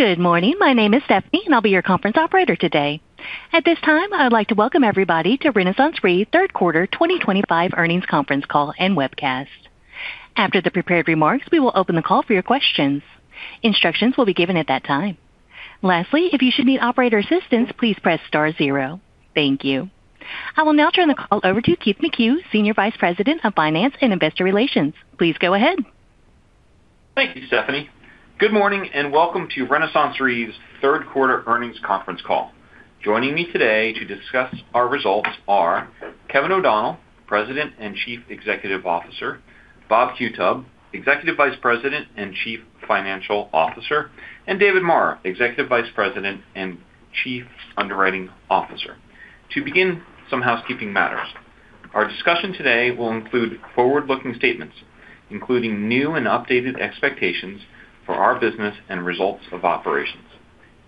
Good morning, my name is Stephanie and I'll be your conference operator today. At this time I would like to welcome everybody to RenaissanceRe Third Quarter 2025 Earnings Conference Call and webcast. After the prepared remarks, we will open the call for your questions. Instructions will be given at that time. Lastly, if you should need operator assistance, please press star zero. Thank you. I will now turn the call over to Keith McCue, Senior Vice President of Finance and Investor Relations. Please go ahead. Thank you, Stephanie. Good morning and welcome to RenaissanceRe Holdings Ltd.'s third quarter earnings conference call. Joining me today to discuss our results are Kevin O’Donnell, President and Chief Executive Officer, Bob Qutub, Executive Vice President and Chief Financial Officer, and David Marra, Executive Vice President and Chief Underwriting Officer. To begin, some housekeeping matters. Our discussion today will include forward-looking statements, including new and updated expectations for our business and results of operations.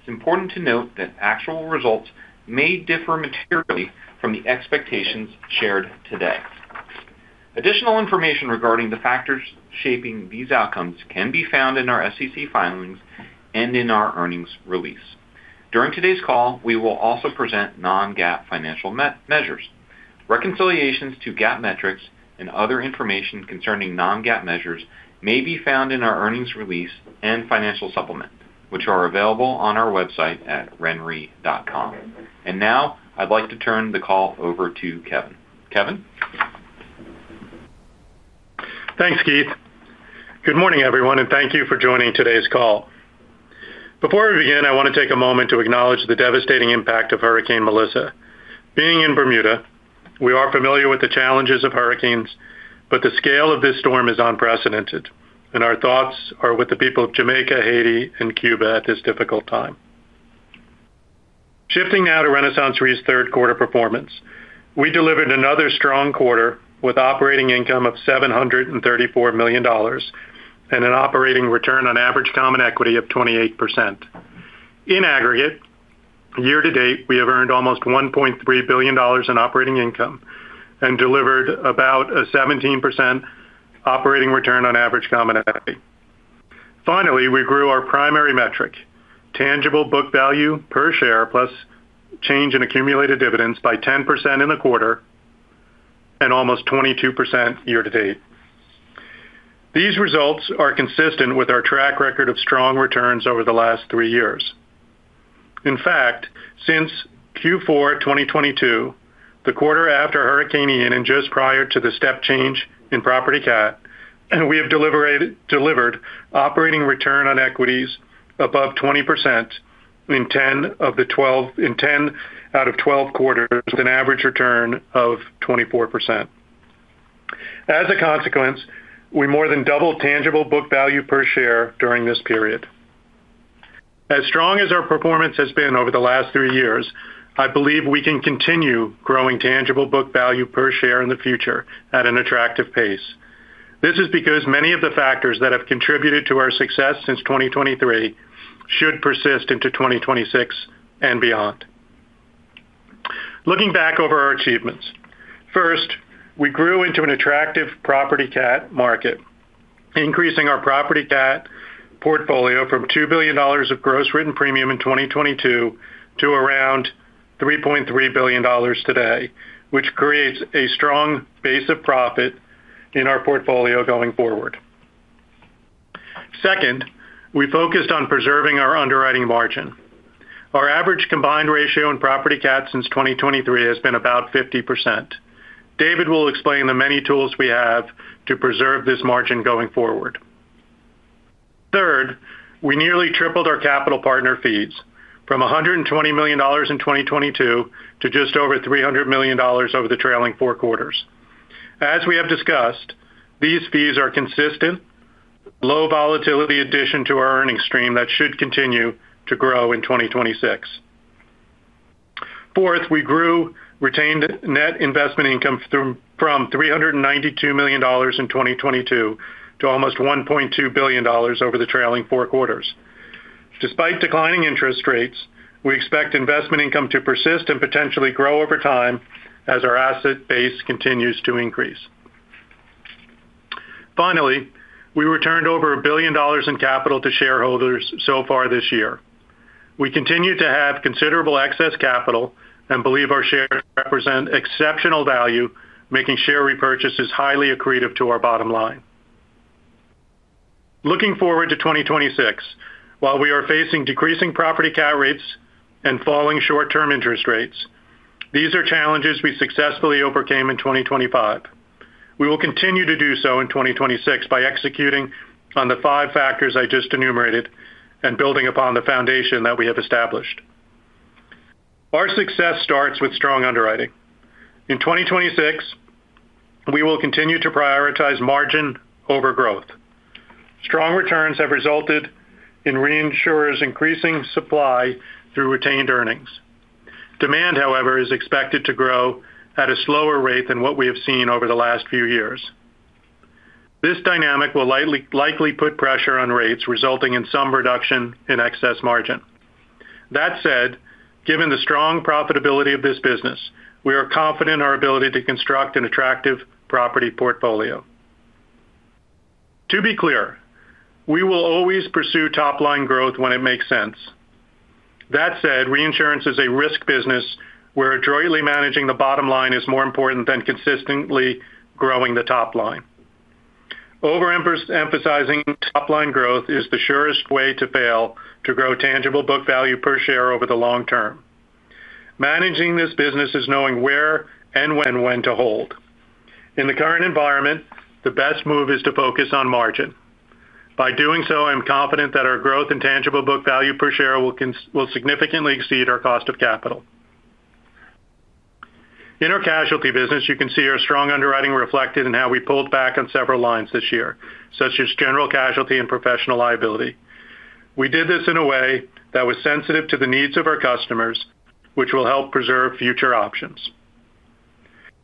It's important to note that actual results may differ materially from the expectations shared today. Additional information regarding the factors shaping these. Outcomes can be found in our SEC filings and in our earnings release. During today's call, we will also present non-GAAP financial measures. Reconciliations to GAAP metrics and other information concerning non-GAAP measures may be found in our earnings release and financial supplement, which are available on our website at renre.com. Now I'd like to turn the call over to Kevin. Kevin. Thanks, Keith. Good morning, everyone, and thank you for joining today's call. Before we begin, I want to take a moment to acknowledge the devastating impact of Hurricane Melissa. Being in Bermuda, we are familiar with the challenges of hurricanes, but the scale of this storm is unprecedented, and our thoughts are with the people of Jamaica, Haiti, and Cuba at this difficult time. Shifting now to RenaissanceRe Holdings Ltd.'s third quarter performance, we delivered another strong quarter with operating income of $734 million and an operating return on average common equity of 28%. In aggregate, year-to-date, we have earned almost $1.3 billion in operating income and delivered about a 17% operating return on average common equity. Finally, we grew our primary metric, tangible book value per share plus change in accumulated dividends, by 10% in the quarter and almost 22% year-to-date. These results are consistent with our track record of strong returns over the last three years. In fact, since Q4 2022, the quarter after Hurricane Ian and just prior to the step change in property catastrophe, we have delivered operating return on equities above 20% in 10 out of 12 quarters, with an average return of 24%. As a consequence, we more than doubled tangible book value per share during this period. As strong as our performance has been over the last three years, I believe we can continue growing tangible book value per share in the future at an attractive pace. This is because many of the factors that have contributed to our success since 2023 should persist into 2026 and beyond. Looking back over our achievements, first, we grew into an attractive property catastrophe market, increasing our property catastrophe portfolio from $2 billion of gross written premium in 2022 to around $3.3 billion today, which creates a strong base of profit in our portfolio going forward. Second, we focused on preserving our underwriting margin. Our average combined ratio in property catastrophe since 2023 has been about 50%. David will explain the many tools we have to preserve this margin going forward. Third, we nearly tripled our capital partner fees from $120 million in 2022 to just over $300 million over the trailing four quarters. As we have discussed, these fees are a consistent, low-volatility addition to our earnings stream that should continue to grow in 2026. Fourth, we grew retained net investment income from $392 million in 2022 to almost $1.2 billion over the trailing four quarters. Despite declining interest rates, we expect investment income to persist and potentially grow over time as our asset base continues to increase. Finally, we returned over $1 billion in capital to shareholders so far this year. We continue to have considerable excess capital and believe our shares represent exceptional value, making share repurchases highly accretive to our bottom line. Looking forward to 2026, while we are facing decreasing property catastrophe rates and falling short-term interest rates, these are challenges we successfully overcame in 2025. We will continue to do so in 2026 by executing on the five factors I just enumerated and building upon the foundation that we have established. Our success starts with strong underwriting in 2026. We will continue to prioritize margin over growth. Strong returns have resulted in reinsurers increasing supply through retained earnings. Demand, however, is expected to grow at a slower rate than what we have seen over the last few years. This dynamic will likely put pressure on rates, resulting in some reduction in excess margin. That said, given the strong profitability of this business, we are confident in our ability to construct an attractive property portfolio. To be clear, we will always pursue top-line growth when it makes sense. That said, reinsurance is a risk business where adroitly managing the bottom line is more important than consistently growing the top line. Overemphasizing top-line growth is the surest way to fail to grow tangible book value per share over the long term. Managing this business is knowing where and when to hold. In the current environment, the best move is to focus on margin. By doing so, I'm confident that our growth and tangible book value per share will significantly exceed our cost of capital. In our casualty business, you can see our strong underwriting reflected in how we pulled back on several lines this year, such as general casualty and professional liability. We did this in a way that was sensitive to the needs of our customers, which will help preserve future options.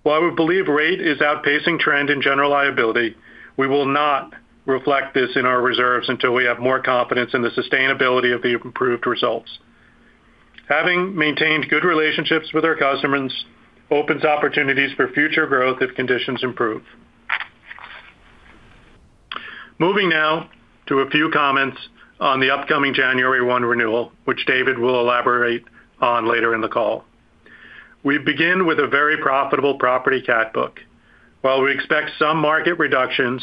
While we believe rate is outpacing trend in general liability, we will not reflect this in our reserves until we have more confidence in the sustainability of the improved results. Having maintained good relationships with our customers opens opportunities for future growth if conditions improve. Moving now to a few comments on the upcoming January 1st renewal, which David will elaborate on later in the call, we begin with a very profitable property catastrophe book. While we expect some market reductions,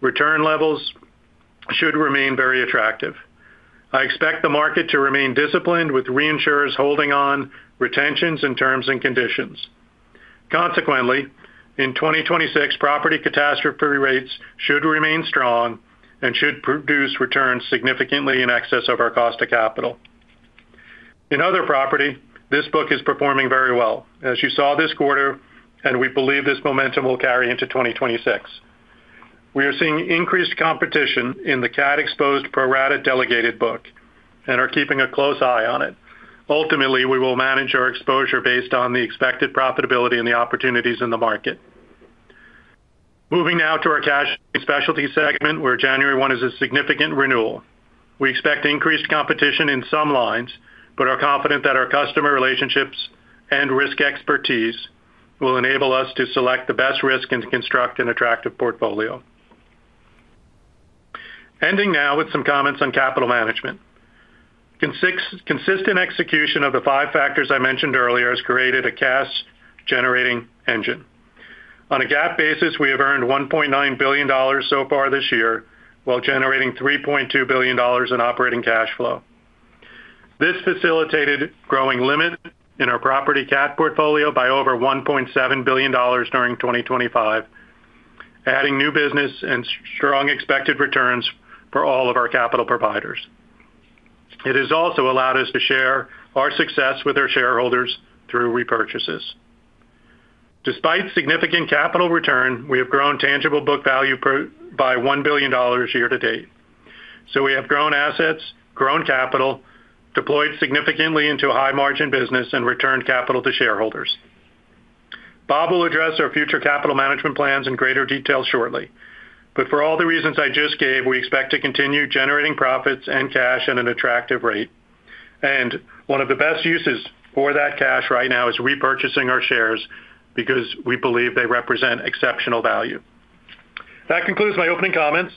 return levels should remain very attractive. I expect the market to remain disciplined with reinsurers holding on retentions in terms and conditions. Consequently, in 2026 property catastrophe rates should remain strong and should produce returns significantly in excess of our cost of capital. In other property, this book is performing very well as you saw this quarter, and we believe this momentum will carry into 2026. We are seeing increased competition in the catastrophe exposed pro rata delegated book and are keeping a close eye on it. Ultimately, we will manage our exposure based on the expected profitability and the opportunities in the market. Moving now to our casualty specialty segment where January 1st is a significant renewal. We expect increased competition in some lines, but are confident that our customer relationships and risk expertise will enable us to select the best risk and construct an attractive portfolio. Ending now with some comments on capital management. Consistent execution of the five factors I mentioned earlier has created a cash generating engine. On a GAAP basis, we have earned $1.9 billion so far this year while generating $3.2 billion in operating cash flow. This facilitated growing limit in our property catastrophe portfolio by over $1.7 billion during 2025, adding new business and strong expected returns for all of our capital providers. It has also allowed us to share our success with our shareholders through repurchases. Despite significant capital return, we have grown tangible book value by $1 billion year-to-date. We have grown assets, grown capital, deployed significantly into a high margin business, and returned capital to shareholders. Bob will address our future capital management plans in greater detail shortly. For all the reasons I just gave, we expect to continue generating profits and cash at an attractive rate, and one of the best uses for that cash right now is repurchasing our shares because we believe they represent exceptional value. That concludes my opening comments.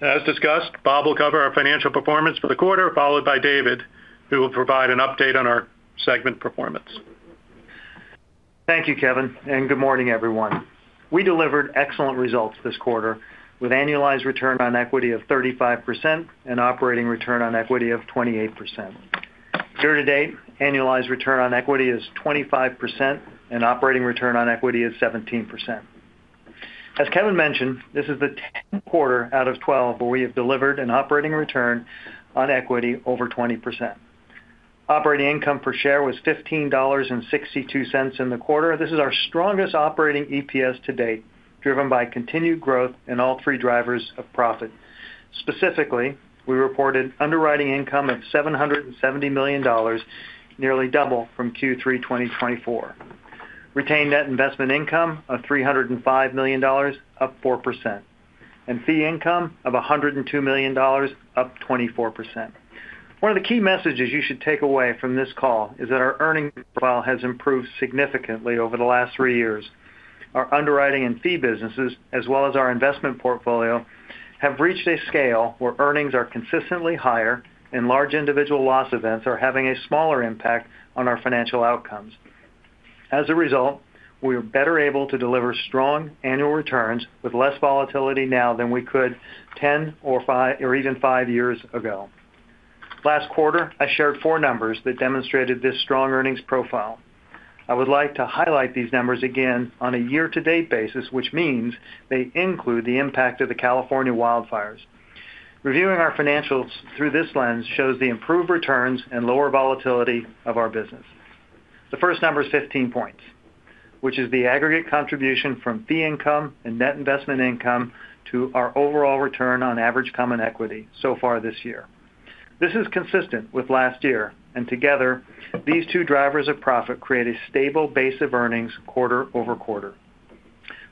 As discussed, Bob will cover our financial performance for the quarter, followed by David who will provide an update on our segment performance. Thank you, Kevin, and good morning everyone. We delivered excellent results this quarter with annualized return on equity of 35% and operating return on equity of 28%. Year-to-date, annualized return on equity is 25% and operating return on equity is 17%. As Kevin mentioned, this is the 10th quarter out of 12 where we have delivered an operating return on equity over 20%. Operating income per share was $15.62 in the quarter. This is our strongest operating EPS to date, driven by continued growth in all three drivers of profit. Specifically, we reported underwriting income of $770 million, nearly double from Q3 2024, retained net investment income of $305 million, up 4%, and fee income of $102 million, up 24%. One of the key messages you should take away from this call is that our earning profile has improved significantly over the last three years. Our underwriting and fee businesses, as well as our investment portfolio, have reached a scale where earnings are consistently higher and large individual loss events are having a smaller impact on our financial outcomes. As a result, we are better able to deliver strong annual returns with less volatility now than we could 10 or even five years ago. Last quarter, I shared four numbers that demonstrated this strong earnings profile. I would like to highlight these numbers again on a year to date basis, which means they include the impact of the California wildfires. Reviewing our financials through this lens shows the improved returns and lower volatility of our business. The first number is 15 points, which is the aggregate contribution from fee income and net investment income to our overall return on average common equity so far this year. This is consistent with last year, and together these two drivers of profit create a stable base of earnings quarter over quarter.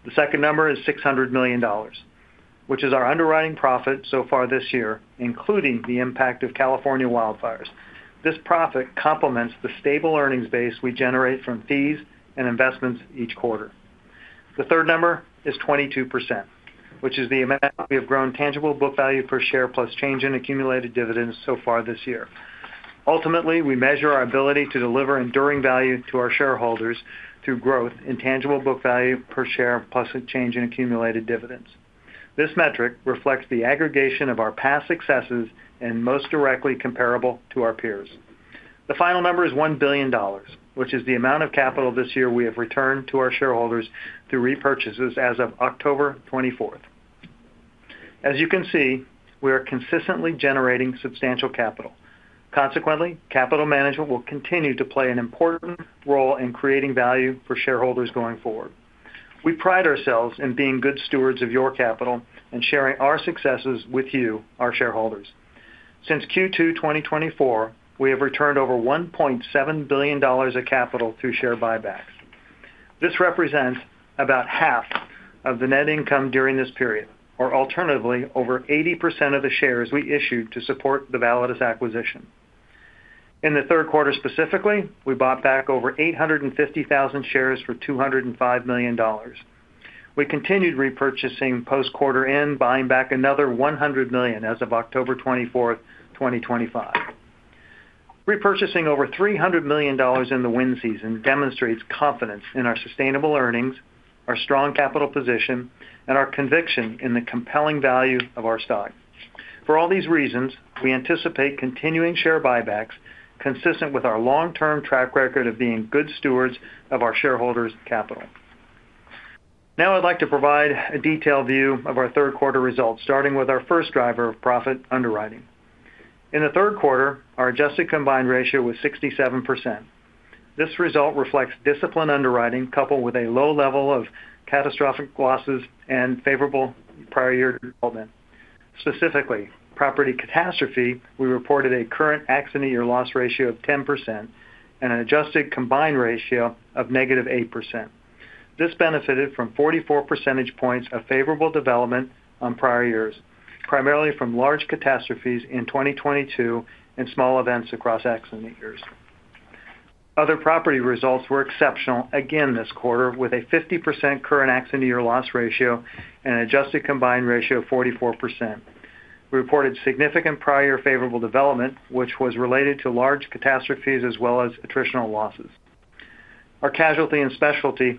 The second number is $600 million, which is our underwriting profit so far this year, including the impact of California wildfires. This profit complements the stable earnings base we generate from fees and investments each quarter. The third number is 22%, which is the amount we have grown tangible book value per share plus change in accumulated dividends so far this year. Ultimately, we measure our ability to deliver enduring value to our shareholders through growth in tangible book value per share plus a change in accumulated dividends. This metric reflects the aggregation of our past successes and is most directly comparable to our peers. The final number is $1 billion, which is the amount of capital this year we have returned to our shareholders through repurchases as of October 24. As you can see, we are consistently generating substantial capital. Consequently, capital management will continue to play an important role in creating value for shareholders going forward. We pride ourselves in being good stewards of your capital and sharing our successes with you, our shareholders. Since Q2 2024, we have returned over $1.7 billion of capital through share buybacks. This represents about half of the net income during this period or alternatively over 80% of the shares we issued to support the Validus acquisition in the third quarter. Specifically, we bought back over 850,000 shares for $205 million. We continued repurchasing post quarter end, buying back another $100 million as of October 24, 2025. Repurchasing over $300 million in the win season demonstrates confidence in our sustainable earnings, our strong capital position, and our conviction in the compelling value of our stock. For all these reasons, we anticipate continuing share buybacks consistent with our long-term track record of being good stewards of our shareholders' capital. Now I'd like to provide a detailed view of our third quarter results starting with our first driver of profit, underwriting. In the third quarter, our adjusted combined ratio was 67%. This result reflects disciplined underwriting coupled with a low level of catastrophic losses and favorable prior year development, specifically property catastrophe. We reported a current accident year loss ratio of 10% and an adjusted combined ratio of negative 8%. This benefited from 44% points of favorable development on prior years, primarily from large catastrophes in 2022 and small events across accident years. Other property results were exceptional again this quarter with a 50% current accident year loss ratio and an adjusted combined ratio of 44%. We reported significant prior year favorable development which was related to large catastrophes as well as attritional losses. Our casualty and specialty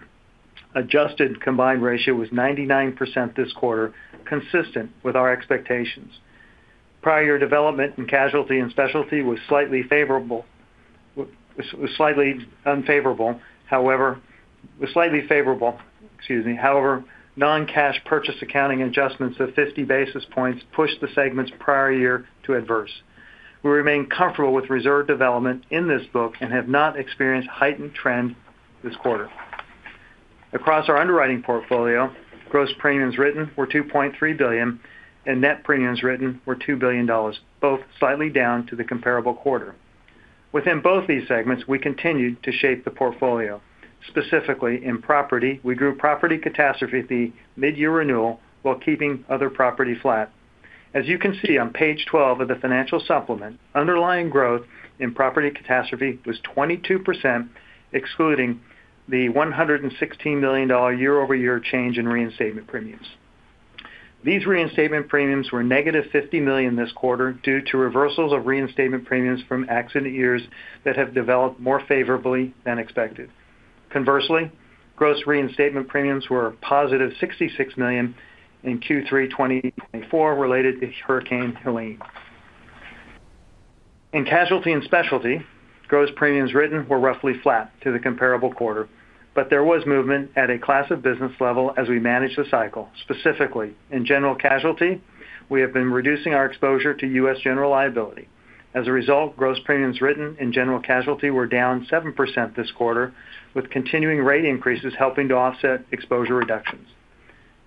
adjusted combined ratio was 99% this quarter, consistent with our expectations. Prior year development in casualty and specialty was slightly unfavorable, however, non-cash purchase accounting adjustments of 50 basis points pushed the segment's prior year to adverse. We remain comfortable with reserve development in this book and have not experienced heightened trend this quarter. Across our underwriting portfolio, gross premiums written were $2.3 billion and net premiums written were $2 billion, both slightly down to the comparable quarter. Within both these segments, we continued to shape the portfolio. Specifically in property, we grew property catastrophe at the mid-year renewal while keeping other property flat. As you can see on page 12 of the Financial Supplement, underlying growth in property catastrophe was 22% excluding the $116 million year-over-year change in reinstatement premiums. These reinstatement premiums were negative $50 million this quarter due to reversals of reinstatement premiums from accident years that have developed more favorably than expected. Conversely, gross reinstatement premiums were positive $66 million in Q3 2024 related to Hurricane Melissa. In casualty and specialty, gross premiums written were roughly flat to the comparable quarter, but there was movement at a class of business level as we manage the cycle. Specifically in general casualty, we have been reducing our exposure to U.S. general liability. As a result, gross premiums written in general casualty were down 7% this quarter, with continuing rate increases helping to offset exposure reductions.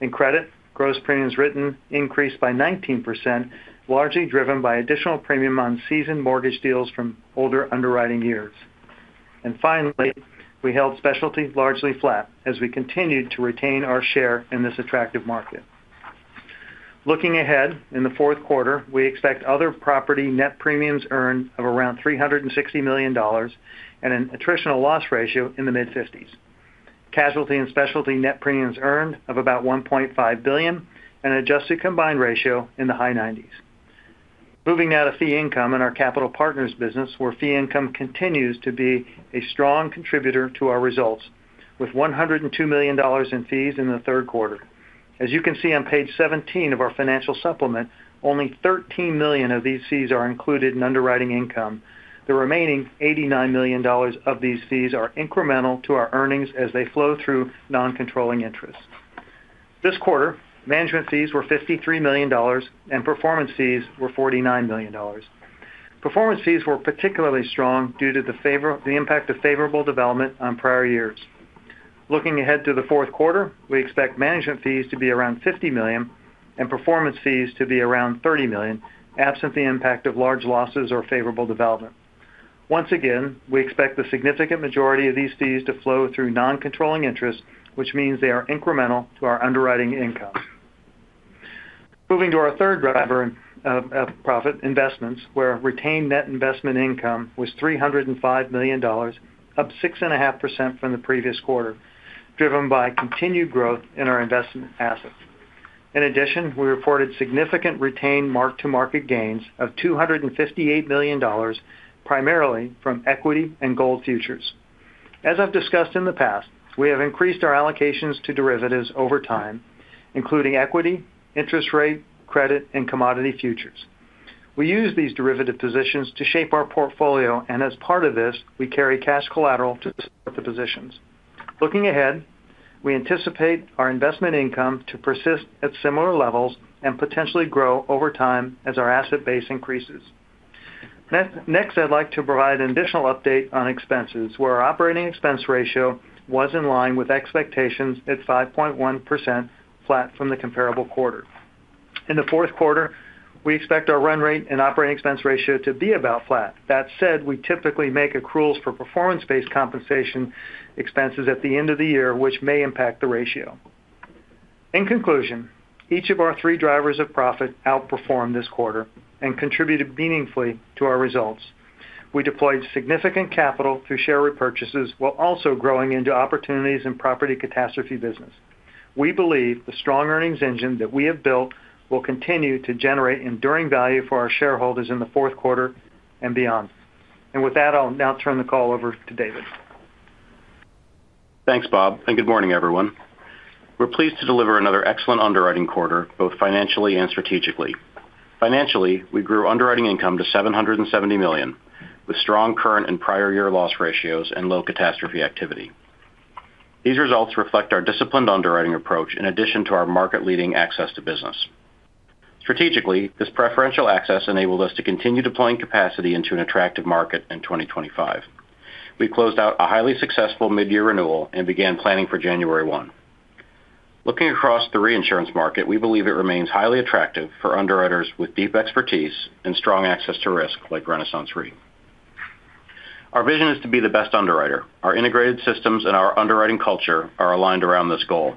In credit, gross premiums written increased by 19%, largely driven by additional premium on seasoned mortgage deals from older underwriting years. Finally, we held specialty largely flat as we continued to retain our share in this attractive market. Looking ahead in the fourth quarter, we expect other property net premiums earned of around $360 million and an attritional loss ratio in the mid-50s, casualty and specialty net premiums earned of about $1.5 billion, and an adjusted combined ratio in the high 90s. Moving now to fee income in our capital partners business, where fee income continues to be a strong contributor to our results, with $102 million in fees in the third quarter. As you can see on page 17 of our Financial Supplement, only $13 million of these fees are included in underwriting income. The remaining $89 million of these fees are incremental to our earnings as they flow through non-controlling interest. This quarter, management fees were $53 million and performance fees were $49 million. Performance fees were particularly strong due to the impact of favorable development on prior years. Looking ahead to the fourth quarter, we expect management fees to be around $50 million and performance fees to be around $30 million absent the impact of large losses or favorable development. Once again, we expect the significant majority of these fees to flow through non-controlling interest, which means they are incremental to our underwriting income. Moving to our third driver of profit, investments, where retained net investment income was $305 million, up 6.5% from the previous quarter, driven by continued growth in our investment assets. In addition, we reported significant retained mark-to-market gains of $258 million, primarily from equity and gold futures. As I've discussed in the past, we have increased our allocations to derivatives over time, including equity, interest rate, credit, and commodity futures. We use these derivative positions to shape our portfolio, and as part of this, we carry cash collateral to support the positions. Looking ahead, we anticipate our investment income to persist at similar levels and potentially grow over time as our asset base increases. Next, I'd like to provide an additional update on expenses, where our operating expense ratio was in line with expectations at 5.1%, flat from the comparable quarter. In the fourth quarter, we expect our run rate and operating expense ratio to be about flat. That said, we typically make accruals for performance-based compensation expenses at the end of the year, which may impact the ratio. In conclusion, each of our three drivers of profit outperformed this quarter and contributed meaningfully to our results. We deployed significant capital through share repurchases while also growing into opportunities in property catastrophe business. We believe the strong earnings engine that we have built will continue to generate enduring value for our shareholders in the fourth quarter. With that, I'll now turn the call over to David. Thanks Bob and good morning everyone. We're pleased to deliver another excellent underwriting quarter, both financially and strategically. Financially, we grew underwriting income to $770 million with strong current and prior year loss ratios and low catastrophe activity. These results reflect our disciplined underwriting approach, in addition to our market-leading access to business. Strategically, this preferential access enabled us to continue deploying capacity into an attractive market. In 2025, we closed out a highly successful mid-year renewal and began planning for January 1st. Looking across the reinsurance market, we believe it remains highly attractive for underwriters with deep expertise and strong access to risk. Like RenaissanceRe, our vision is to be the best underwriter. Our integrated systems and our underwriting culture are aligned around this goal.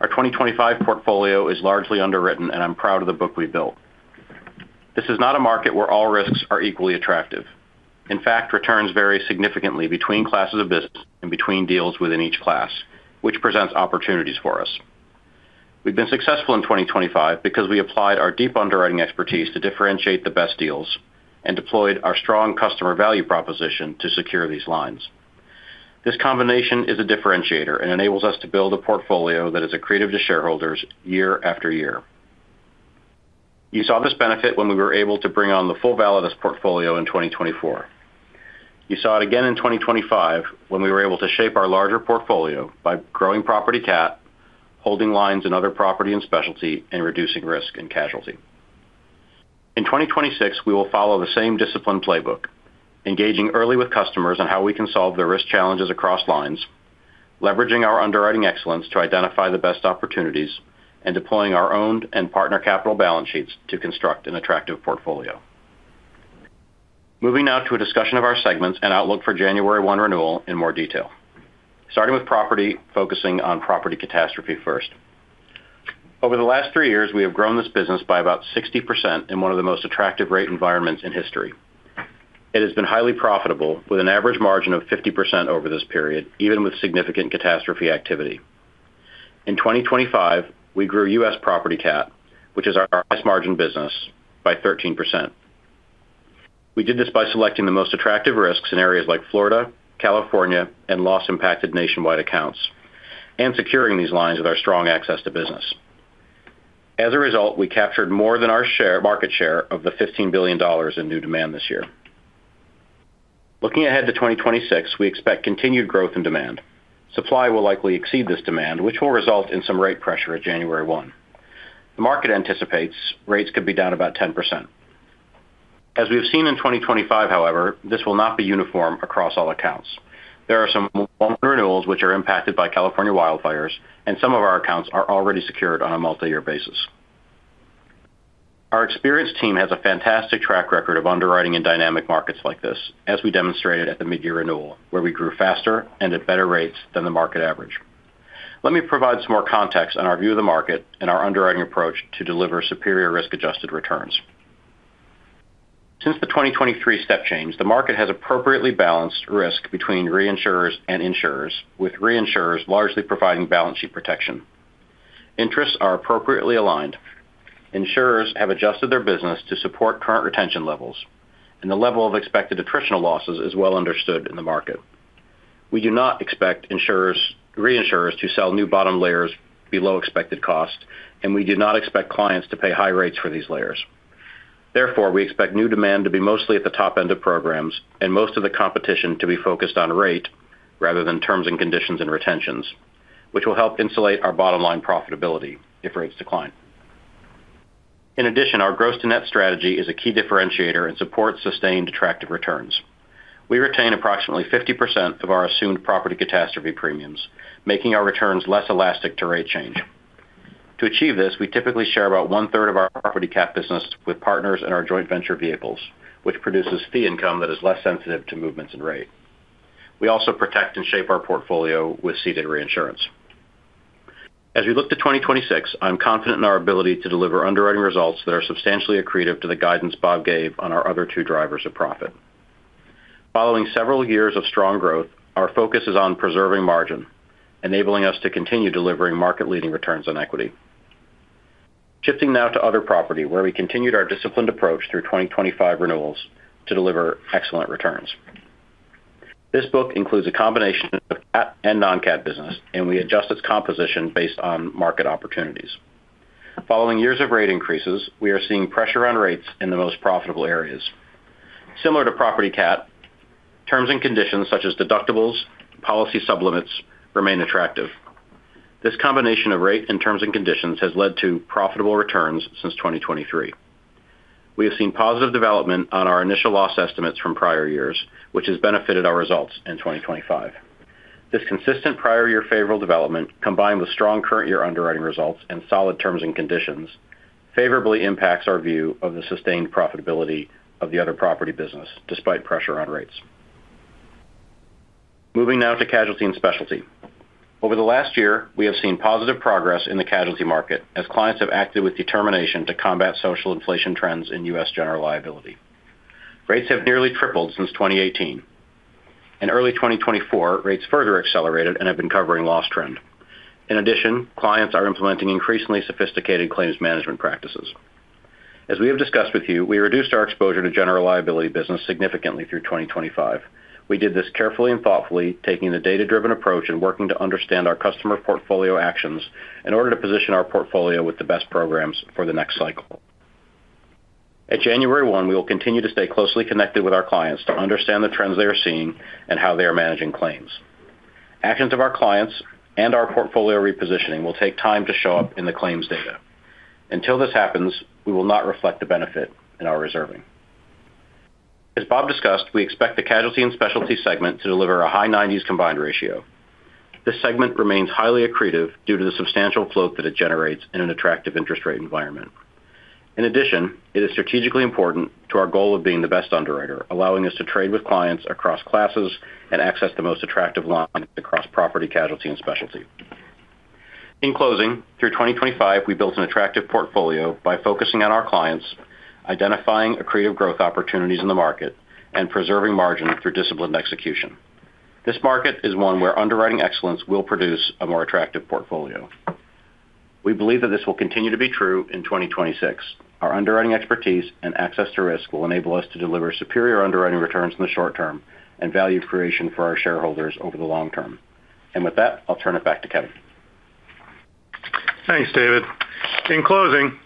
Our 2025 portfolio is largely underwritten and I'm proud of the book we built. This is not a market where all risks are equally attractive. In fact, returns vary significantly between classes of business and between deals within each class, which presents opportunities for us. We've been successful in 2025 because we applied our deep underwriting expertise to differentiate the best deals and deployed our strong customer value proposition to secure these lines. This combination is a differentiator and enables us to build a portfolio that is accretive to shareholders year after year. You saw this benefit when we were able to bring on the full Validus portfolio in 2024. You saw it again in 2025 when we were able to shape our larger portfolio by growing property catastrophe, holding lines in other property and specialty, and reducing risk in casualty. In 2026, we will follow the same discipline playbook, engaging early with customers on how we can solve the risk challenges across lines, leveraging our underwriting excellence to identify the best opportunities, and deploying our own and partner capital balance sheets to construct an attractive portfolio. Moving now to a discussion of our segments and outlook for January 1st renewal in more detail, starting with property. Focusing on property catastrophe first, over the last three years we have grown this business by about 60% in one of the most attractive rate environments in history. It has been highly profitable, with an average margin of 50% over this period. Even with significant catastrophe activity in 2025, we grew U.S. property cat, which is our highest margin business, by 13%. We did this by selecting the most attractive risks in areas like Florida, California, and loss-impacted nationwide accounts and securing these lines with our strong access to business. As a result, we captured more than our market share of the $15 billion in new demand this year. Looking ahead to 2026, we expect continued growth in demand. Supply will likely exceed this demand, which will result in some rate pressure. At January 1, the market anticipates rates could be down about 10%, as we have seen in 2025. However, this will not be uniform across all accounts. There are some renewals which are impacted by California wildfires, and some of our accounts are already secured on a multi-year basis. Our experienced team has a fantastic track record of underwriting in dynamic markets like this, as we demonstrated at the midyear renewal where we grew faster and at better rates than the market average. Let me provide some more context on our view of the market and our underwriting approach to deliver superior risk-adjusted returns. Since the 2023 step change, the market has appropriately balanced risk between reinsurers and insurers, with reinsurers largely providing balance sheet protection. Interests are appropriately aligned. Insurers have adjusted their business to support current retention levels, and the level of expected attritional losses is well understood in the market. We do not expect insurers or reinsurers to sell new bottom layers below expected cost, and we do not expect clients to pay high rates for these layers. Therefore, we expect new demand to be mostly at the top end of programs, and most of the competition to be focused on rate rather than terms and conditions and retentions, which will help insulate our bottom line profitability if rates decline. In addition, our gross to net strategy is a key differentiator and supports sustained attractive returns. We retain approximately 50% of our assumed property catastrophe premiums, making our returns less elastic to rate change. To achieve this, we typically share about one third of our property cat business with partners in our joint venture vehicles, which produces fee income that is less sensitive to movements in rate. We also protect and shape our portfolio with casualty reinsurance. As we look to 2026, I'm confident in our ability to deliver underwriting results that are substantially accretive to the guidance Bob gave on our other two drivers of profit. Following several years of strong growth, our focus is on preserving margin, enabling us to continue delivering market-leading returns on equity. Shifting now to other property, where we continued our disciplined approach through 2025 renewals to deliver excellent returns. This book includes a combination of CAT and non-CAT business, and we adjust its composition based on market opportunities. Following years of rate increases, we are seeing pressure on rates in the most profitable areas, similar to property CAT. Terms and conditions such as deductibles and policy sub limits remain attractive. This combination of rate and terms and conditions has led to profitable returns since 2023. We have seen positive development on our initial loss estimates from prior years, which has benefited our results in 2025. This consistent prior year favorable development, combined with strong current year underwriting results and solid terms and conditions, favorably impacts our view of the sustained profitability of the other property business despite pressure on rates. Moving now to casualty and specialty, over the last year we have seen positive progress in the casualty market as clients have acted with determination to combat social inflation. Trends in U.S. general liability rates have nearly tripled since 2018. In early 2024, rates further accelerated and have been covering loss trend. In addition, clients are implementing increasingly sophisticated claims management practices. As we have discussed with you, we reduced our exposure to general liability business significantly through 2025. We did this carefully and thoughtfully, taking the data-driven approach and working to understand our customer portfolio actions in order to position our portfolio with the best programs for the next cycle. At January 1st, we will continue to stay closely connected with our clients to understand the trends they are seeing and how they are managing claims. Actions of our clients and our portfolio repositioning will take time to show up in the claims data. Until this happens, we will not reflect the benefit in our reserving. As Bob discussed, we expect the casualty and specialty segment to deliver a high 90s combined ratio. This segment remains highly accretive due to the substantial float that it generates in an attractive interest rate environment. In addition, it is strategically important to our goal of being the best underwriter, allowing us to trade with clients across classes and access the most attractive line across property, casualty, and specialty. In closing, through 2025, we built an attractive portfolio by focusing on our clients, identifying accretive growth opportunities in the market, and preserving margin through disciplined execution. This market is one where underwriting excellence will produce a more attractive portfolio. We believe that this will continue to be true in 2026. Our underwriting expertise and access to risk will enable us to deliver superior underwriting returns in the short term and value creation for our shareholders over the long term. I'll turn it back to Kevin. Thanks, David. In closing,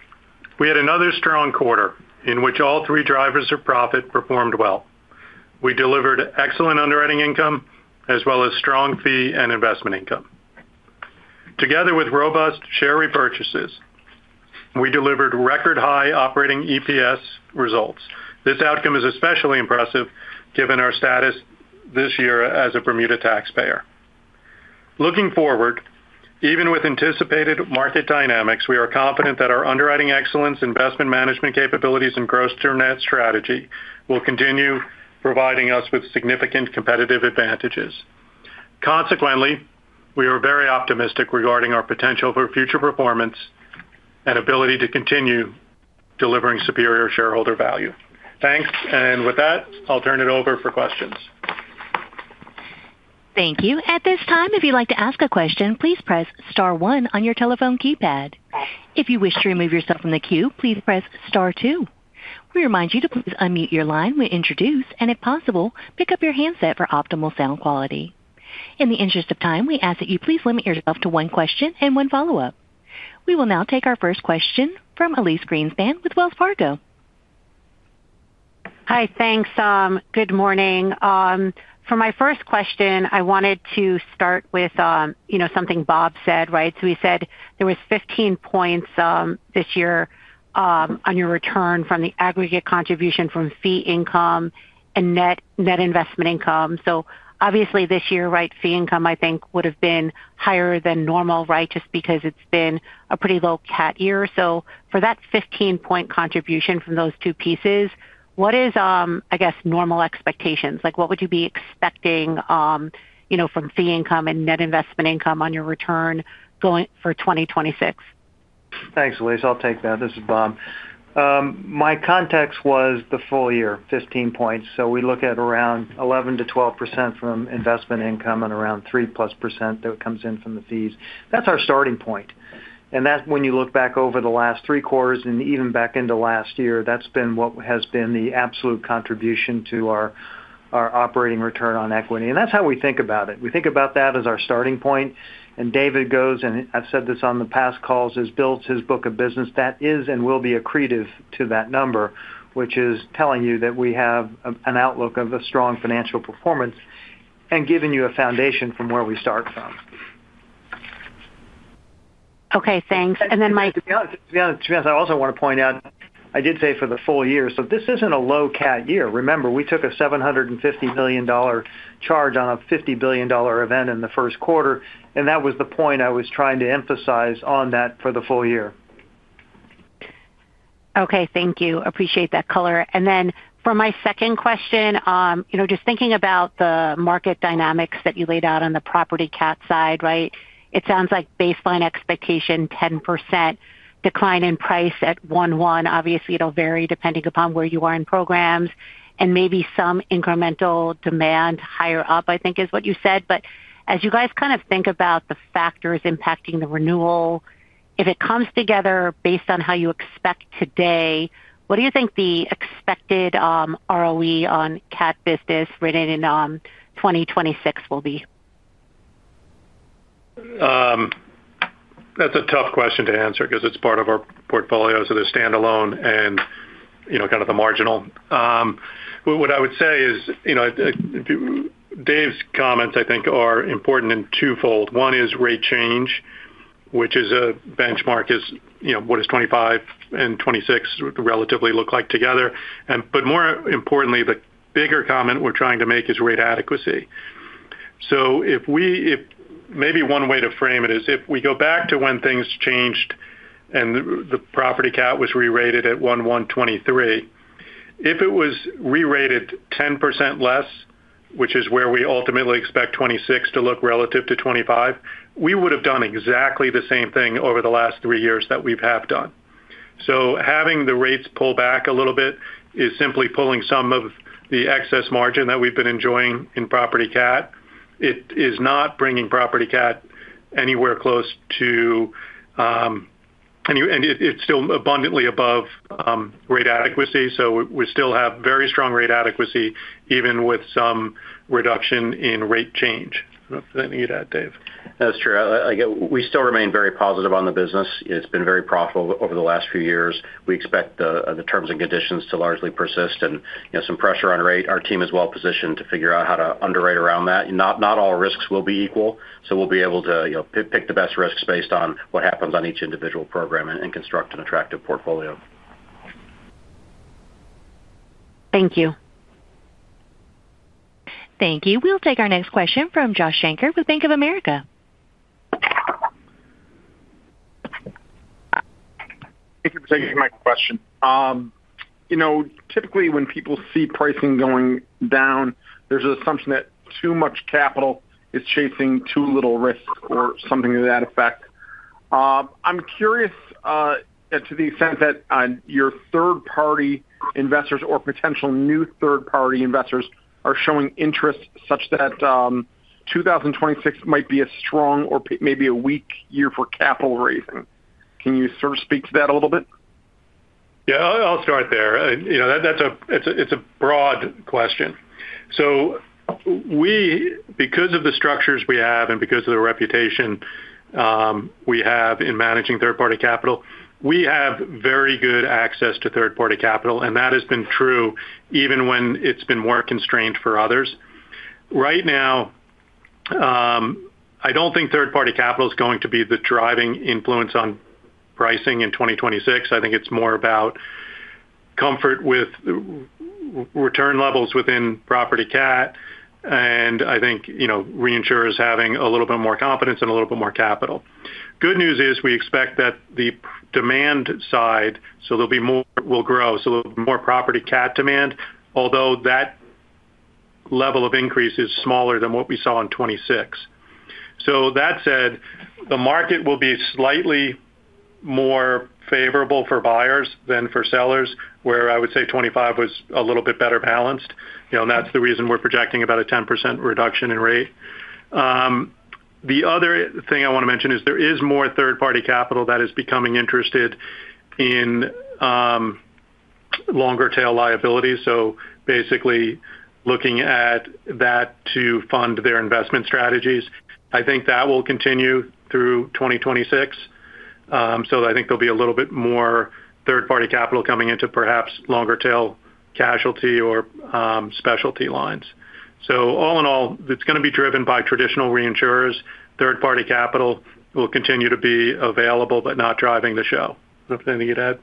we had another strong quarter in which all three drivers of profit performed well. We delivered excellent underwriting income, as well as strong fee and investment income. Together with robust share repurchases, we delivered record high operating EPS results. This outcome is especially impressive given our status this year as a Bermuda taxpayer. Looking forward, even with anticipated market dynamics, we are confident that our underwriting excellence, investment management capabilities, and gross net strategy will continue providing us with significant competitive advantages. Consequently, we are very optimistic regarding our potential for future performance and ability to continue delivering superior shareholder value. Thanks. With that, I'll turn it over for questions. Thank you. At this time, if you'd like to ask a question, please press star one on your telephone keypad. If you wish to remove yourself from the queue, please press star two. We remind you to please unmute your line when introduced, and if possible, pick up your handset for optimal sound quality. In the interest of time, we ask that you please limit yourself to one question and one follow-up. We will now take our first question from Elyse Beth Greenspan with Wells Fargo Securities LLC. Hi, thanks. Good morning. For my first question, I wanted to start with something Bob said, right? He said there was 15 points this year on your return from the aggregate contribution from fee income and net investment income. Obviously this year, fee income, I think, would have been higher than normal, just because it's been a pretty low CAT year. For that 15 point contribution from those two pieces, what is, I guess, normal expectations, like what would you be expecting, you know, from fee income and net investment income on your return going for 2026? Thanks, Elyse. I'll take that. This is Bob. My context was the full year, 15 points. We look at around 11-12% from investment income and around 3+% that comes in from the fees. That's our starting. When you look back over the last three quarters and even back into last year, that's been what has been the absolute contribution to our operating return on equity. That's how we think about it. We think about that as our starting point. David goes, and I've said this on past calls, as he builds his book of business that is and will be accretive to that number, which is telling you that we have an outlook of a strong financial performance and giving you a foundation from where we start from. Okay, thanks. To be honest, I also want to point out I did say for the full year. This isn't a low CAT year. Remember, we took a $750 million charge on a $50 million event in the first quarter. That was the point I was trying to emphasize on that for the full year. Okay, thank you. Appreciate that color. For my second question, just thinking about the market dynamics that you laid out on the property catastrophe side. Right. You know, it sounds like baseline expectation, 10% decline in price at 1:1. Obviously it'll vary depending upon where you are in programs and maybe some incremental demand higher up, I think is what you said. As you guys kind of think about the factors impacting the renewal, if it comes together based on how you expect today, what do you think the expected ROE on cat business written in 2026 will be? That's a tough question to answer because it's part of our portfolio. The standalone and, you know, kind of the marginal. What I would say is Dave's comments, I think, are important in twofold. One is rate change, which is a benchmark, is, you know, what does 2025 and 2026 relatively look like together? More importantly, the bigger comment we're trying to make is rate adequacy. If maybe one way to frame it is if we go back to when things changed and the property catastrophe was re-rated at 1,123, if it was re-rated 10% less, which is where we ultimately expect 2026 to look relative to 2025, we would have done exactly the same thing over the last three years that we've half done. Having the rates pull back a little bit is simply pulling some of the excess margin that we've been enjoying in property catastrophe. It is not bringing property catastrophe anywhere close to. It's still abundantly above rate adequacy. We still have very strong rate adequacy, even with some reduction in rate change. Anything you'd add, Dave? That's true. We still remain very positive on the business. It's been very profitable over the last few years. We've. We expect the terms and conditions to largely persist, and some pressure on rate. Our team is well positioned to figure out how to underwrite around that, as not all risks will be equal. We will be able to pick the best risks based on what happens on each individual program and construct an attractive portfolio. Thank you. Thank you. We'll take our next question from Joshua David Shanker with BofA Securities. Thank you for taking my question. You know, typically, when people see pricing. Going down, there's an assumption that too. Much capital is chasing too little risk or something to that effect. I'm curious to the extent that your Third-party investors or potential new third-party investors are showing interest such that. 2026 might be a strong or maybe a weak year for capital raising. Can you sort of speak to that a little bit? Yeah, I'll start there. You know, that's a broad question. We, because of the structures we have and because of the reputation we have in managing third-party capital, have very good access to third-party capital. That has been true even when it's been more constrained for others. Right now, I don't think third-party capital is going to be the driving influence on pricing in 2026. I think it's more about comfort with return levels within property cat, and I think reinsurers are having a little bit more confidence and a little bit more capital. The good news is we expect that the demand side will grow, so more property cat demand, although that level of increase is smaller than what we saw in 2026. That said, the market will be slightly more favorable for buyers than for sellers, where I would say 2025 was a little bit better balanced, and that's the reason we're projecting about a 10% reduction in rate. The other thing I want to mention is there is more third-party capital that is becoming interested in longer tail liabilities. Basically, looking at that to fund their investment strategies, I think that will continue through 2026. I think there will be a little bit more third-party capital coming into perhaps longer tail casualty or specialty lines. All in all, it's going to be driven by traditional reinsurers. Third-party capital will continue to be available, but not driving the show. Anything you'd add?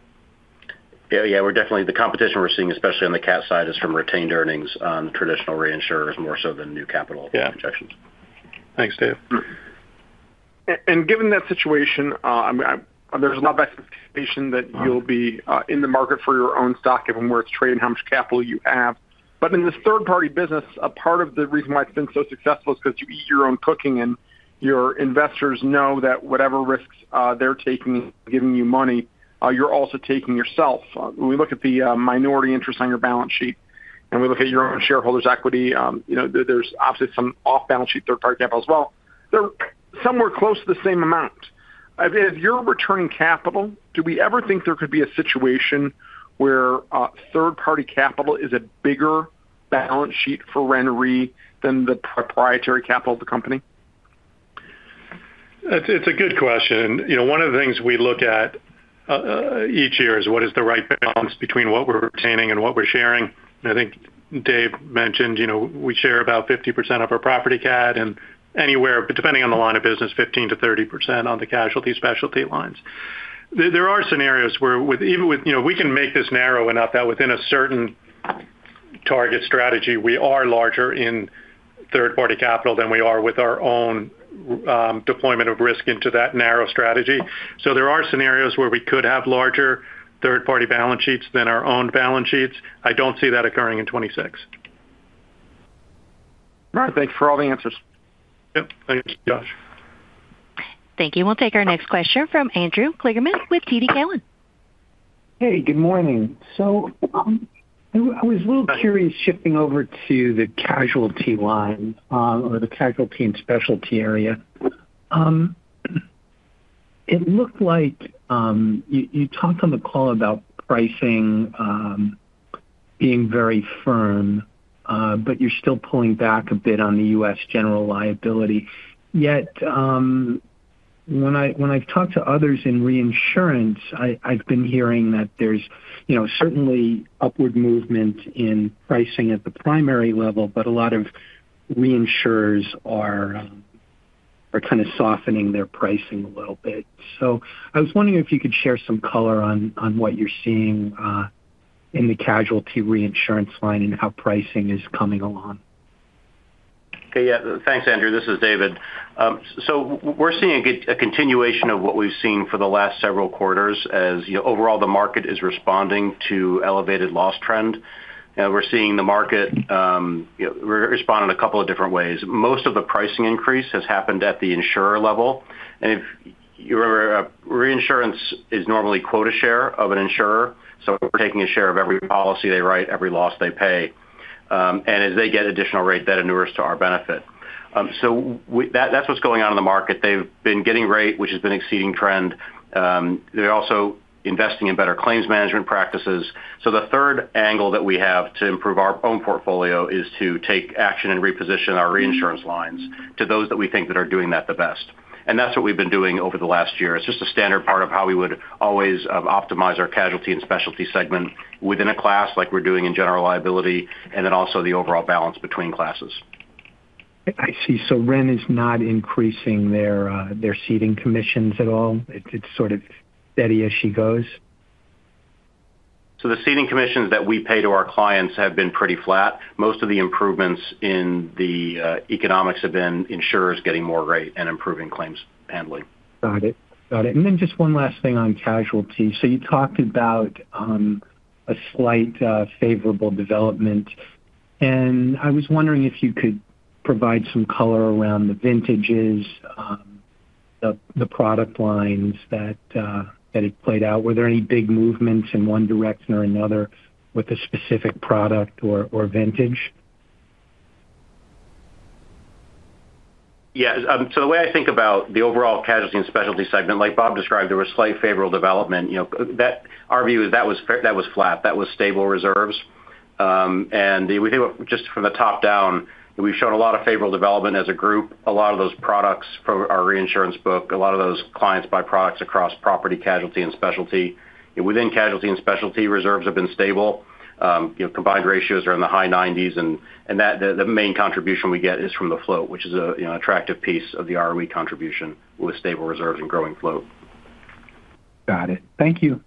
Yeah, the competition we're seeing, especially on the cat side, is from retained earnings on traditional reinsurers more so than new capital projections. Thanks, Dave. Given that situation, there's a lot of expectation that you'll be in the market for your own stock, given where. It's traded, how much capital you have. In the third-party business, a. Part of the reason why it's been. You are successful because you eat your own cooking, and your investors know that whatever risks they're taking giving you money. You're also taking yourself. We look at the minority interest on your balance sheet and we look at it. Your own shareholders' equity. You know, there's obviously some off-balance. Sheet third-party capital as well. They're somewhere close to the same amount. If you're returning capital, do we ever think there could be a situation where third-party capital is? A bigger balance sheet for RenaissanceRe than. The proprietary capital of the company? It's a good question. One of the things we look at each year is what is the right balance between what we're retaining and what we're sharing. I think Dave mentioned we share about 50% of our property cat and, depending on the line of business, 15%-30% on the casualty specialty lines. There are scenarios where we can make this narrow enough that within a certain target strategy, we are larger in third party capital than we are with our own deployment of risk into that narrow strategy. There are scenarios where we could have larger third party balance sheets than our own balance sheets. I don't see that occurring in 2026. Perfect, thank you for all the answers. Thank you, Josh. Thank you. We'll take our next question from Andrew Kligerman with TD there. Hey, good morning. I was a little curious shifting over to the casualty line or the casualty and specialty area. It looked like you talked on the call about pricing being very firm. You're still pulling back a bit on the U.S. general liability. Yet. When I've talked to others in reinsurance, I've been hearing that there's certainly upward movement in pricing at the primary level, but a lot of reinsurers are kind of softening their pricing a little bit. I was wondering if you could share some color on what you're seeing in the casualty reinsurance line and how pricing is coming along. Okay, thanks Andrew. This is David. We're seeing a continuation of what we've seen for the last several quarters as overall the market is responding to elevated loss trend. We're seeing the market respond in a couple of different ways. Most of the pricing increase has happened at the insurer level. If you remember, reinsurance is normally quota share of an insurer. We're taking a share of every policy they write, every loss they pay and as they get additional rate that inures to our benefit. That's what's going on in the market. They've been getting rate which has been exceeding trend. They're also investing in better claims management practices. The third angle that we have to improve our own portfolio is to take action and reposition our reinsurance lines to those that we think that are doing that the best. That's what we've been doing over the last year. It's just a standard part of how we would always optimize our casualty and specialty segment within a class like we're doing in general liability and then also the overall balance between classes. I see. RenaissanceRe is not increasing their ceding commissions at all. It's sort of steady as she goes. The ceding commissions that we pay to our clients have been pretty flat. Most of the improvements in the economics have been insurers getting more rate and improving claims handling. Got it, got it. Just one last thing on casualty, you talked about a slight favorable reserve development, and I was wondering if you could provide some color around that. Vintages. The product lines that had played out. Were there any big movements in one direction or another with a specific product or vintage? Yeah. The way I think about the overall casualty and specialty segment, like Bob Qutub described, there was slight favorable reserve development. Our view is that was flat, that was stable reserves. We think just from the top down we've shown a lot of favorable reserve development as a group. A lot of those products for our reinsurance book, a lot of those clients buy products across property, casualty, and specialty. Within casualty and specialty, reserves have been stable, combined ratios are in the high 90s. The main contribution we get is from the float, which is an attractive piece of the ROE contribution with stable reserves and growing float. Got it. Thank you.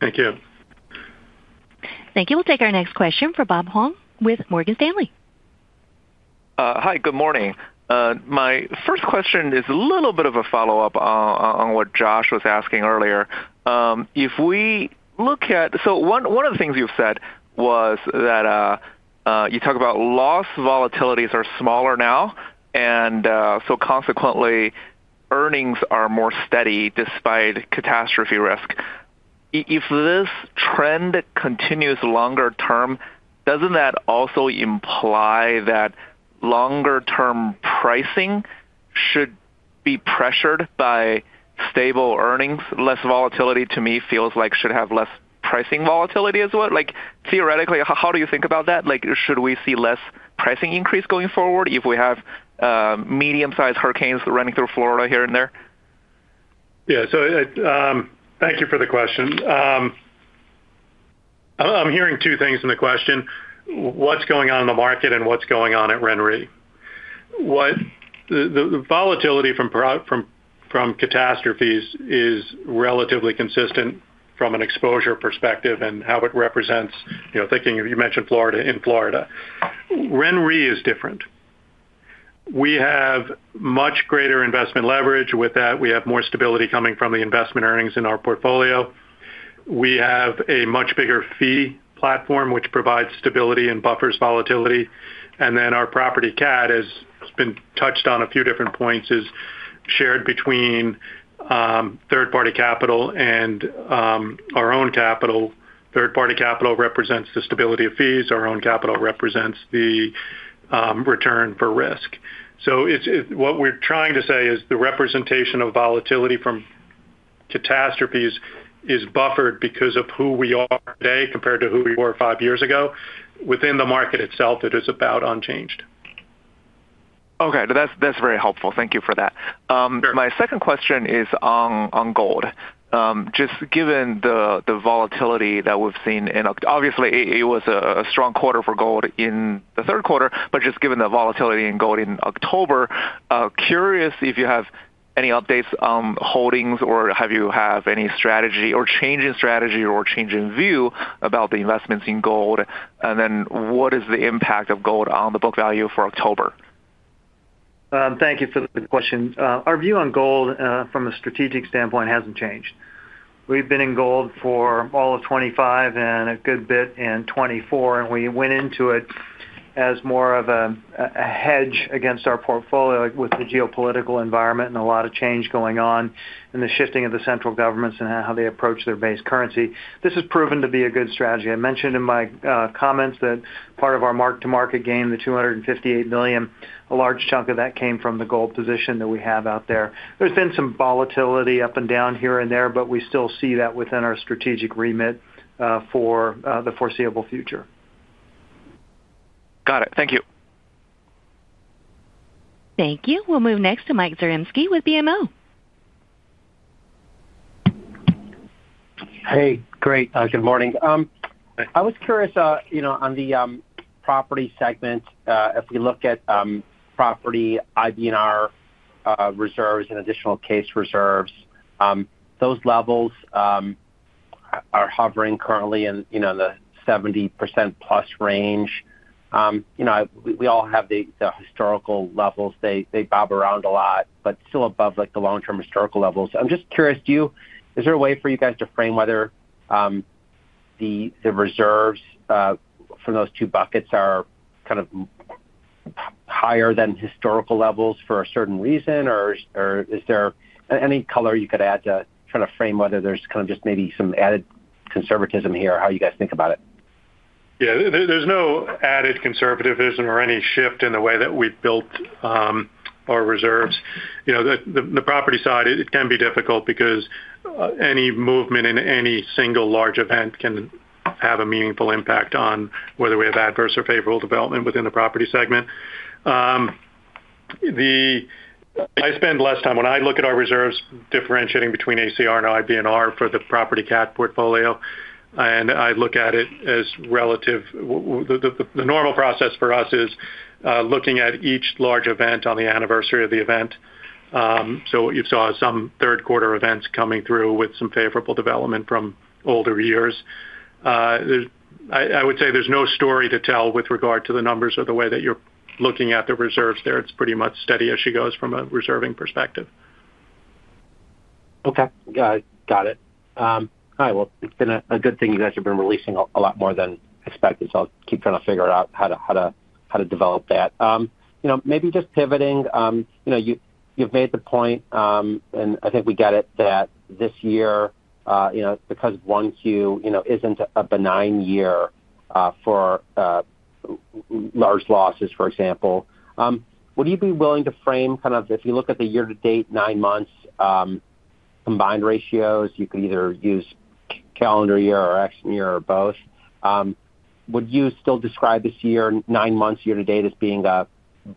Thank you. Thank you. We'll take our next question for Bob Qutub with Morgan Stanley. Hi, good morning. My first question is a little bit. A follow up on what Josh was asking earlier. If we look at it. One of the things you've said was that you talk about loss volatilities. Are smaller now, and so consequently, earnings. Are more steady despite catastrophe risk. If this trend continues longer term, doesn't that also imply that longer term pricing? Should be pressured by stable earnings? Less volatility to me feels like it should have less pricing volatility as well. Theoretically, how do you think about that? Should we see less pricing increase? Going forward, if we have medium sized. Hurricanes running through Florida here and there. Thank you for the question, I'm hearing two things in the question. What's going on in the market and what's going on at RenaissanceRe. Volatility from catastrophes is relatively consistent from an exposure perspective and how it represents, you know, thinking. You mentioned Florida. In Florida, RenaissanceRe is different. We have much greater investment leverage with that. We have more stability coming from the investment earnings in our portfolio. We have a much bigger fee platform, which provides stability and buffers volatility. Our property catastrophe has been touched on a few different points, is shared between third-party capital and our own capital. Third-party capital represents the stability of fees. Our own capital represents the return for risk. What we're trying to say is the representation of volatility from catastrophes is buffered because of who we are today compared to who we were five years ago. Within the market itself, it is about unchanged. Okay, that's very helpful. Thank you for that. My second question is on gold. Given the volatility that we've seen. Obviously, it was a strong quarter. Gold in the third quarter, just given the volatility in gold in October. Curious if you have any updates on. Holdings or have you any strategy. Change in strategy or change in view about the investments in gold and what is the impact of gold on the book value for October? Thank you for the question. Our view on gold from a strategic standpoint hasn't changed. We've been in gold for all of 2025 and a good bit in 2024. We went into it as more of a hedge against our portfolio. With the geopolitical environment and a lot of change going on and the shifting of the central governments and how they approach their base currency, this has proven to be a good strategy. I mentioned in my comments that part of our mark to market gain, the $258 million, a large chunk of that came from the gold position that we have out there. There has been some volatility up and down here and there, but we still see that within our strategic remit for the foreseeable future. Got it. Thank you. Thank you. We'll move next to Mike Zaremski with BMO. Hey, great. Good morning. I was curious on the property segment. If we look at property IBNR reserves and additional case reserves, those levels are hovering currently in the 70%+ range. We all have the historical levels. They bob around a lot, but still above the long-term historical levels. I'm just curious, is there a way for you guys to frame whether the reserves from those two buckets are kind of higher than historical levels for a certain reason? Is there any color you could add to try to frame whether there's maybe some added conservatism here, how you guys think about it? Yeah, there's no added conservatism or any shift in the way that we built our reserves. You know, the property side, it can be difficult because any movement in any single large event can have a meaningful impact on whether we have adverse or favorable development within the property segment. I spend less time when I look at our reserves differentiating between ACR and IBNR for the property catastrophe portfolio. I look at it as relative. The normal process for us is looking at each large event on the anniversary of the event. You saw some third quarter events coming through with some favorable development from older years. I would say there's no story to tell with regard to the numbers or the way that you're looking at the reserves there. It's pretty much steady as she goes from a reserving perspective. Okay, got it. A good thing. You guys have been releasing a lot more than expected. I'll keep trying to figure out how to develop that. Maybe just pivoting. You know, you've made the point and I think we got it that this year, because 1Q isn't a benign year for large losses. For example, would you be willing to frame, if you look at the year to date, nine months combined ratios, you could either use calendar year or year or both. Would you still describe this year, nine months, year to date as being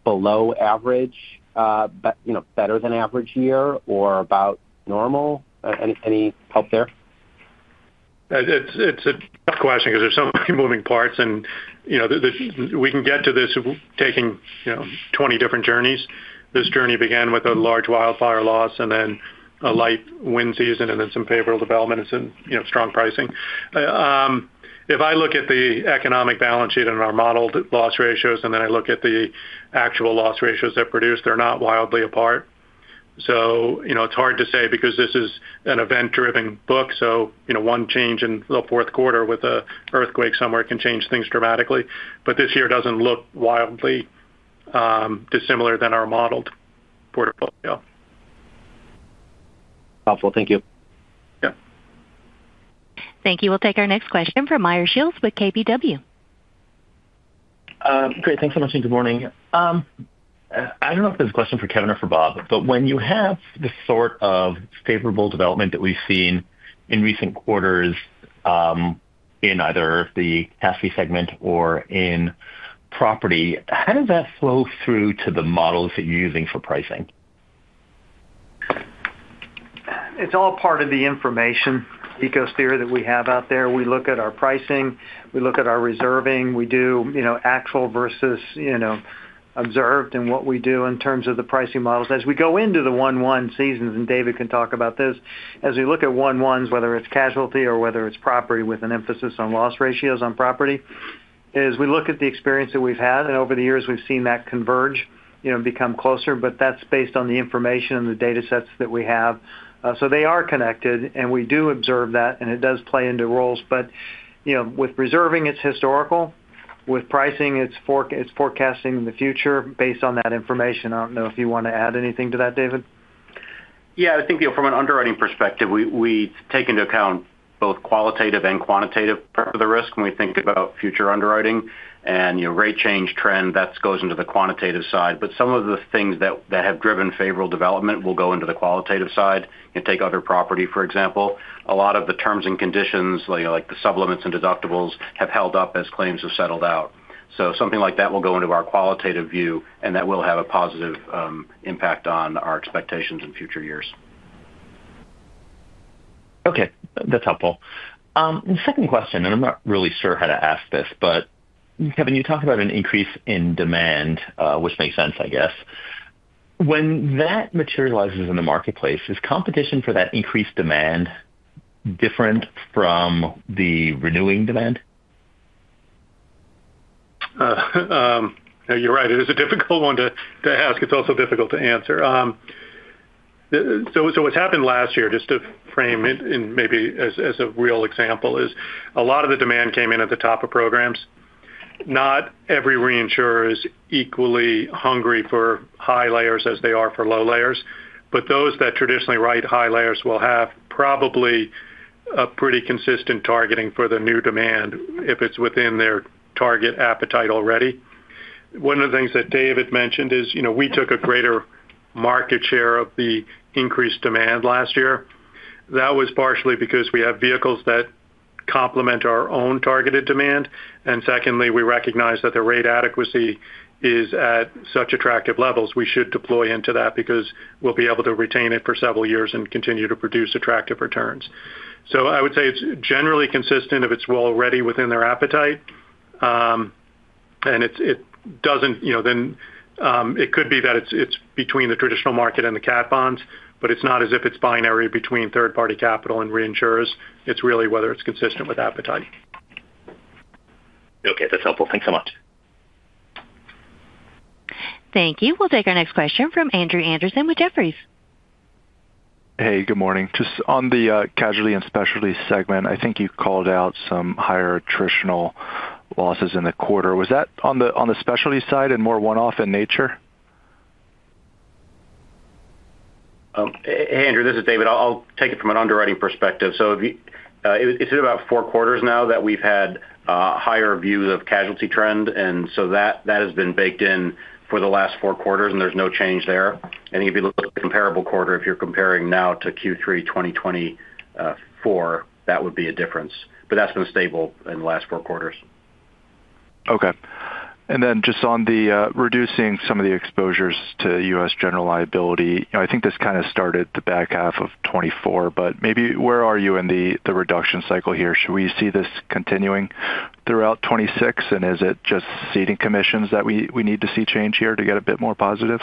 below average, better than average year, or about normal? Any help there? It's a tough question because there's so many moving parts, and we can get to this taking 20 different journeys. This journey began with a large wildfire loss, then a light wind season, and then some favorable development and some strong pricing. If I look at the economic balance sheet and our model loss ratios, and then I look at the actual loss ratios that produce, they're not wildly apart. It's hard to say because this is an event-driven book. One change in the fourth quarter with an earthquake somewhere can change things dramatically. This year doesn't look wildly dissimilar than our modeled portfolio. Helpful. Thank you. Yeah. Thank you. We'll take our next question from Meyer Shields with Keefe Bruyette & Woods Inc. Great. Thanks so much, and good morning. I don't know if there's a question. For Kevin or for Bob. When you have the sort of favorable reserve development that we've seen in recent quarters in either the casualty reinsurance segment or in property reinsurance, how does that flow through to the models that you're using for pricing? It's all part of the information ecosystem theory that we have out there. We look at our pricing, we look at our reserving, we do actual versus observed, and what we do in terms of the pricing models as we go into the 1/1 seasons. David can talk about this as we look at 1/1s, whether it's casualty reinsurance or whether it's property reinsurance, with an emphasis on loss ratios on property. As we look at the experience that we've had, over the years we've seen that converge, become closer. That's based on the information and the data sets that we have. They are connected, and we do observe that, and it does play into roles. With reserving, it's historical. With pricing, it's forecasting the future based on that information. I don't know if you want to add anything to that, David. Yeah, I think from an underwriting perspective, we take into account both qualitative and quantitative for the risk. When we think about future underwriting and your rate change trend, that goes into the quantitative side. Some of the things that have driven favorable development will go into the qualitative side. Take other property, for example. A lot of the terms and conditions like the supplements and deductibles have held up as claims have settled out. Something like that will go into our qualitative view and that will have a positive impact on our expectations in future years. Okay, that's helpful. The second question, and I'm not really sure how to ask this, but Kevin, you talked about an increase in demand, which makes sense, I guess, when that materializes in the marketplace. Is competition for that increased demand different from the renewing demand? You're right. It is a difficult one to ask. It's also difficult to answer. What's happened last year, just to frame maybe as a real example, is a lot of the demand came in at the top of programs. Not every reinsurer is equally hungry for high layers as they are for low layers. Those that traditionally write high layers will have probably a pretty consistent targeting for the new demand if it's within their target appetite already. One of the things that David Marra mentioned is, you know, we took a greater market share of the increased demand last year. That was partially because we have vehicles that complement our own targeted demand. Secondly, we recognize that the rate adequacy is at such attractive levels, we should deploy into that because we'll be able to retain it for several years and continue to produce attractive returns. So I would say it's generally consistent. If it's already within their appetite and it doesn't, you know, then it could be that it's between the traditional market and the CAT bonds, but it's not as if it's binary between third-party capital and reinsurers. It's really whether it's consistent with appetite. Okay, that's helpful. Thanks so much. Thank you. We'll take our next question from Andrew E. Andersen with Jefferies LLC. Hey, good morning. Just on the casualty and specialty segment, I think you called out some higher. Attritional losses in the quarter. Was that on the specialty side and more one off in nature? Andrew, this is David. I'll take it from an underwriting perspective. It's been about four quarters now that we've had higher views of casualty trend, and that has been baked in for the last four quarters and there's no change there. I think if you look at the comparable quarter, if you're comparing now to Q3 2024, that would be a difference, but that's been stable in the last four quarters. Okay. Just on the reducing some of the exposures to U.S. general liability, I think this kind of started the back half of 2024, but maybe where are you in the reduction cycle here? Should we see continuing throughout 2026, and is it just ceding commissions that we need to see change here to get. A bit more positive?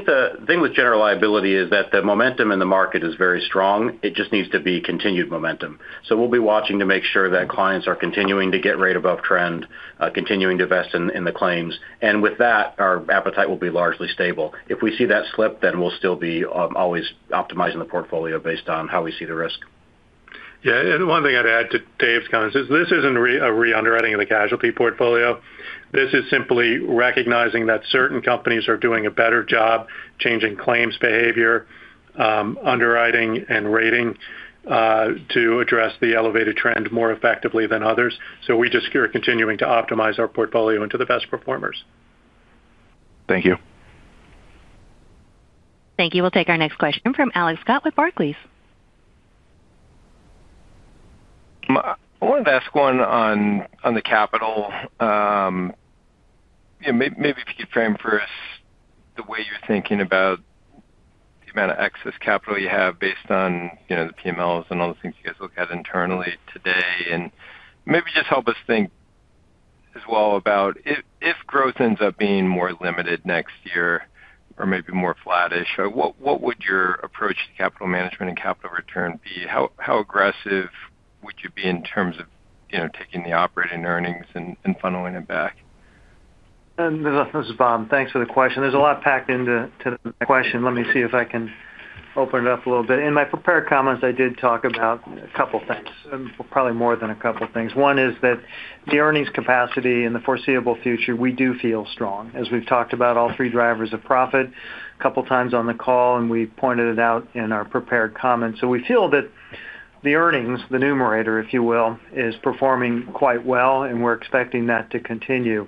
The thing with general liability is that the momentum in the market is very strong. It just needs to be continued momentum. We will be watching to make sure that clients are continuing to get rate above trend, continuing to invest in the claims, and with that our appetite will be largely stable. If we see that slip, we will always be optimizing the portfolio based on how we see the risk. One thing I'd add to Dave's comments is this isn't a re-underwriting of the casualty portfolio. This is simply recognizing that certain companies are doing a better job changing claims behavior, underwriting, and rating to address the elevated trend more effectively than others. We are just continuing to optimize our portfolio into the best performers. Thank you. Thank you. We'll take our next question from Alex Scott with Barclays. I wanted to ask one on the capital. Maybe if you could frame for us the way you're thinking about the amount of excess capital you have based on the PMLs and all the things you guys look at internally today, and maybe just help us think as well about if growth ends up being more limited next year or maybe more flattish. What would your approach to capital management and capital return be? How aggressive would you be in terms of taking the operating earnings and funneling it back? his is Bob, thanks for the question. There's a lot packed into the question. Let me see if I can open it up a little bit. In my prepared comments, I did talk about a couple things, probably more than a couple things. One is that the earnings capacity in the foreseeable future. We do feel strong as we've talked about all three drivers of profit a couple times on the call and we pointed it out in our prepared comments. We feel that the earnings, the numerator, if you will, is performing quite well and we're expecting that to continue.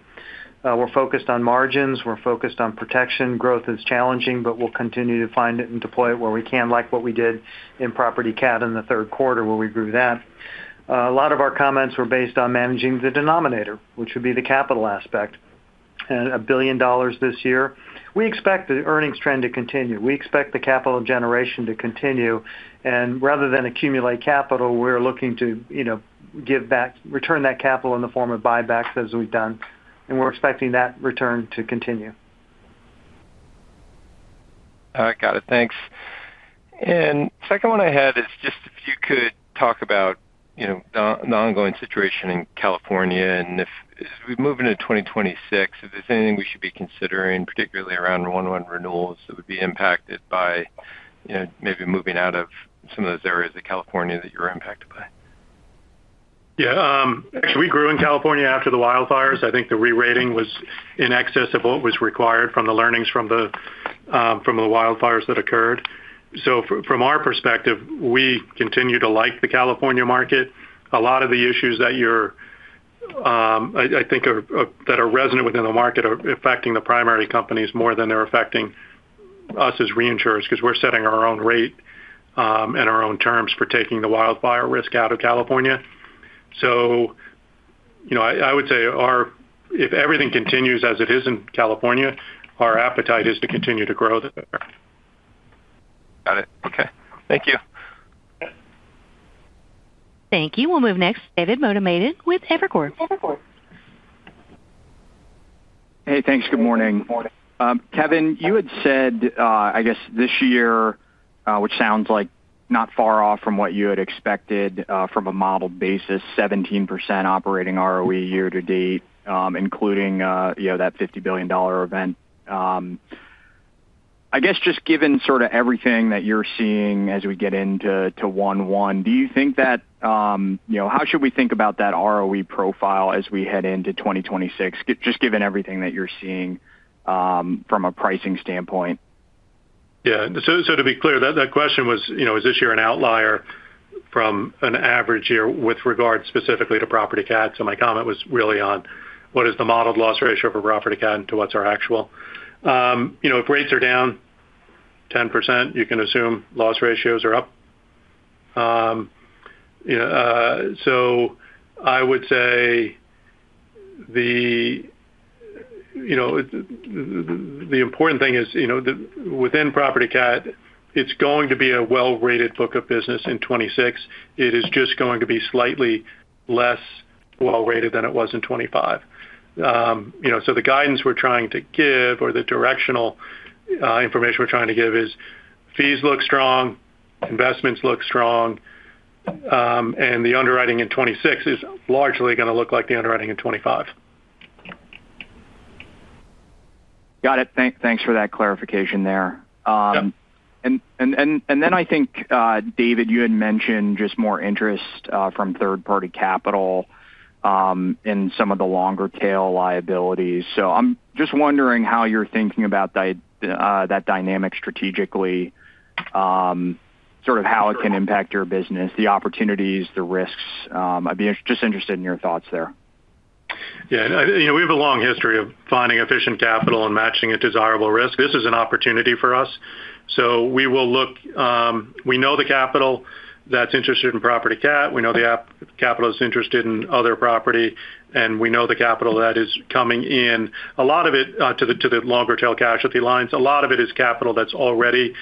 We're focused on margins, we're focused on protection. Growth is challenging, but we'll continue to find it and deploy it where we can, like what we did in property catastrophe in the third quarter, where we grew that. A lot of our comments were based on managing the denominator, which would be the capital aspect, $1 billion this year. We expect the earnings trend to continue. We expect the capital generation to continue. Rather than accumulate capital, we're looking to give back, return that capital in the form of buybacks as we've done and we're expecting that return to continue. Got it Thank you. The second one I had is just if you could talk about the ongoing situation in California, and as we move into 2026, if there's anything we should be considering, particularly around 1/1 renewals that would be impacted by maybe moving out of some of those areas of California that you were impacted by. Yeah, we grew in California after the wildfires. I think the rerating was in excess of what was required from the learnings from the wildfires that occurred. From our perspective, we continue to like the California market. A lot of the issues that you're, I think, are that are resonant within the market are affecting the primary companies more than they're affecting us as reinsurers because we're setting our own rate and our own terms for taking the wildfire risk out of California. If everything continues as it is in California, our appetite is to continue to grow. Got it. Okay, thank you. Thank you. We'll move next. David Kenneth Motemaden with Evercore ISI Institutional Equities. Hey, thanks. Good morning. Kevin, you had said I guess this. Year, which sounds like not far off. From what you had expected from a model basis. 17% operating ROE year to date, including that $50 billion event. I guess just given sort of everything that you're seeing as we get into 1/1, do you think that how should we think about that ROE profile as we head into 2026, just given everything that you're seeing from a pricing standpoint? Yeah. To be clear, that question was, you know, is this year an outlier from an average year with regard specifically to property catastrophe? My comment was really on what is the modeled loss ratio for property catastrophe and to what's our actual, you know, if rates are down 10%, you can assume loss ratios are up. I would say the important thing is, you know, within property catastrophe, it's going to be a well rated book of business in 2026. It is just going to be slightly less well rated than it was in 2025. The guidance we're trying to give or the directional information we're trying to give is fees look strong, investments look strong, and the underwriting in 2026 is largely going to look like the underwriting in 2025. Got it. Thanks for that clarification there. And then David, you had mentioned just more interest from third-party capital in some of the longer tail liabilities. I'm just wondering how you're thinking about that dynamic strategically, sort of how it can impact your business, the opportunities, the risks. I'd be interested in your thoughts. Yeah, you know, we have a long history of finding efficient capital and matching a desirable risk. This is an opportunity for us. We will look. We know the capital that's interested in property cat. We know the capital that's interested in other property, and we know the capital that is coming in, a lot of it to the longer tail casualty lines. A lot of it is capital that's already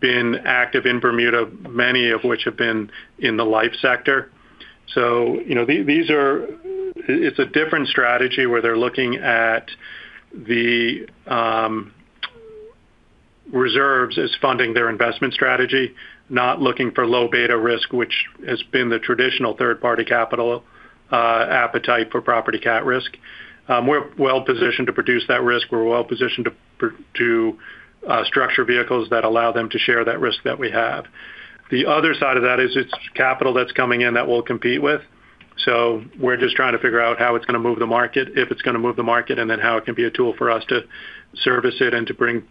been active in Bermuda, many of which have been in the life sector. These are, it's a different strategy where they're looking at the reserves as funding their investment strategy, not looking for low beta risk, which has been the traditional third-party capital appetite for property cat risk. We're well positioned to produce that risk. We're well positioned to structure vehicles that allow them to share that risk that we have. The other side of that is it's capital that's coming in that we'll compete with. We're just trying to figure out how it's going to move the market, if it's going to move the market, and then how it can be a tool for us to service it and to bring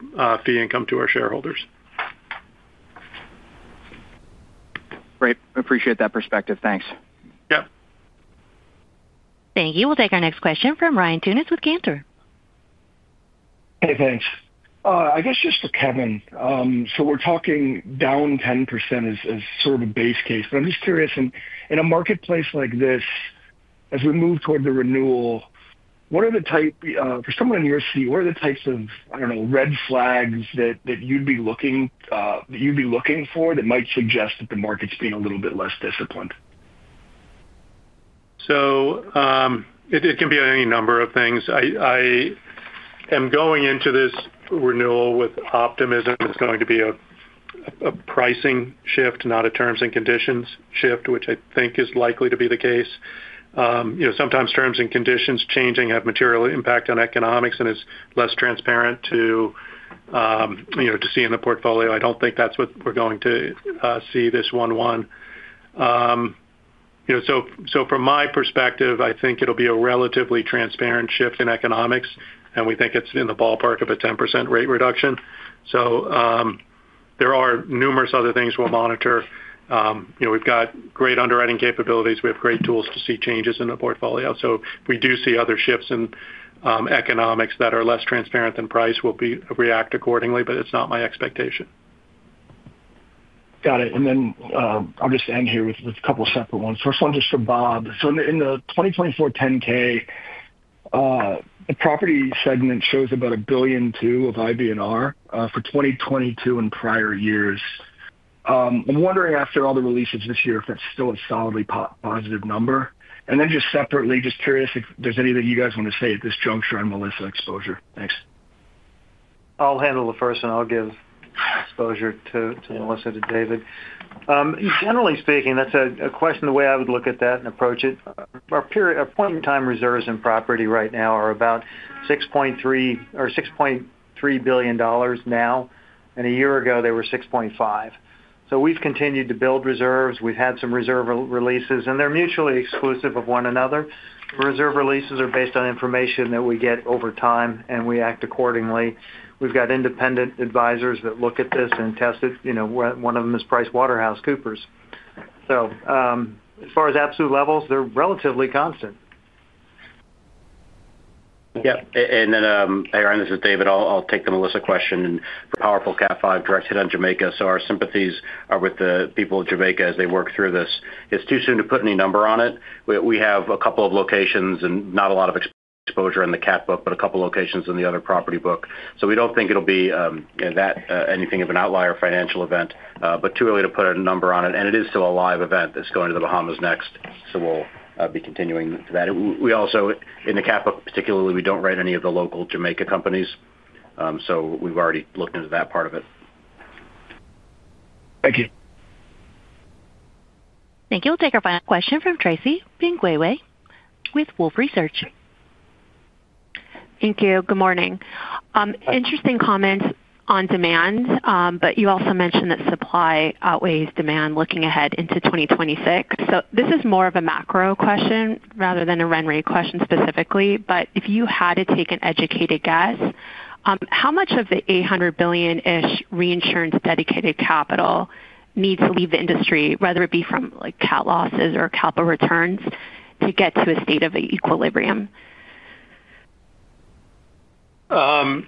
fee income to our shareholders. Great. Appreciate that perspective. Thanks. Yep. Thank you. We'll take our next question from Ryan Tunis with Keefe Bruyette & Woods Inc. Thanks, I guess just for Kevin. We're talking down 10% as sort. Of a base case. I'm just curious, in a marketplace like this, as we move toward the renewal, what are the types of, I don't know, red flags that you'd be looking for that might suggest that the market's being a little bit less disciplined? It can be any number of things. I am going into this renewal with optimism. It's going to be a pricing shift, not a terms and conditions shift, which I think is likely to be the case. Sometimes terms and conditions changing have material impact on economics and is less transparent to see in the portfolio. I don't think that's what we're going to see this 1/1, you know. From my perspective, I think it'll be a relatively transparent shift in economics and we think it's in the ballpark of a 10% rate reduction. There are numerous other things we'll monitor. We've got great underwriting capabilities. We have great tools to see changes in the portfolio. If we do see other shifts in economics that are less transparent than price, we'll react accordingly, but it's not my expectation. Got it. Then I'll just end here with a couple of separate ones. First, one just for Bob. In the 2024 10-K, the property segment shows about $1.2 billion of IBNR for 2022 and prior years. I'm wondering after all the releases this year if that's still a solidly positive number. Just curious if there's anything you guys want to say. At this juncture on Hurricane Melissa exposure. Thanks. I'll handle the first and I'll give exposure to Melissa to David. Generally speaking, that's a question the way I would look at that and approach it point in time. Reserves in property right now are about $6.3 billion and a year ago they were $6.5 billion. We've continued to build reserves. We've had some reserve releases and they're mutually exclusive of one another. Reserve releases are based on information that we get over time and we act accordingly. We've got independent advisors that look at this and test it. One of them is PricewaterhouseCoopers. As far as absolute levels, they're relatively constant. Yep. Hey Ryan, this is David. I'll take the Melissa question for powerful Cat 5 direct hit on Jamaica. Our sympathies are with the people of Jamaica as they work through this. It's too soon to put any number on it. We have a couple of locations and not a lot of exposure in the CAT book, but a couple of locations in the other property book. We don't think it'll be anything of an outlier financial event, but it's too early to put a number on it. It is still a live event that's going to the Bahamas next. We'll be continuing to watch that. In the CAT book particularly, we don't write any of the local Jamaica companies. We've already looked into that part of it. Thank you. Thank you. We'll take our final question from Tracy Benguigui with Wolfe Research. Thank you. Good morning. Interesting comments on demand, but you also mentioned that supply outweighs demand looking ahead into 2026. This is more of a macro rather than a RenaissanceRe question specifically. If you had to take an educated guess, how much of the $800 billion-ish reinsurance dedicated capital needs to leave the industry, whether it be from catastrophe losses or capital returns, to get to a state of equilibrium. I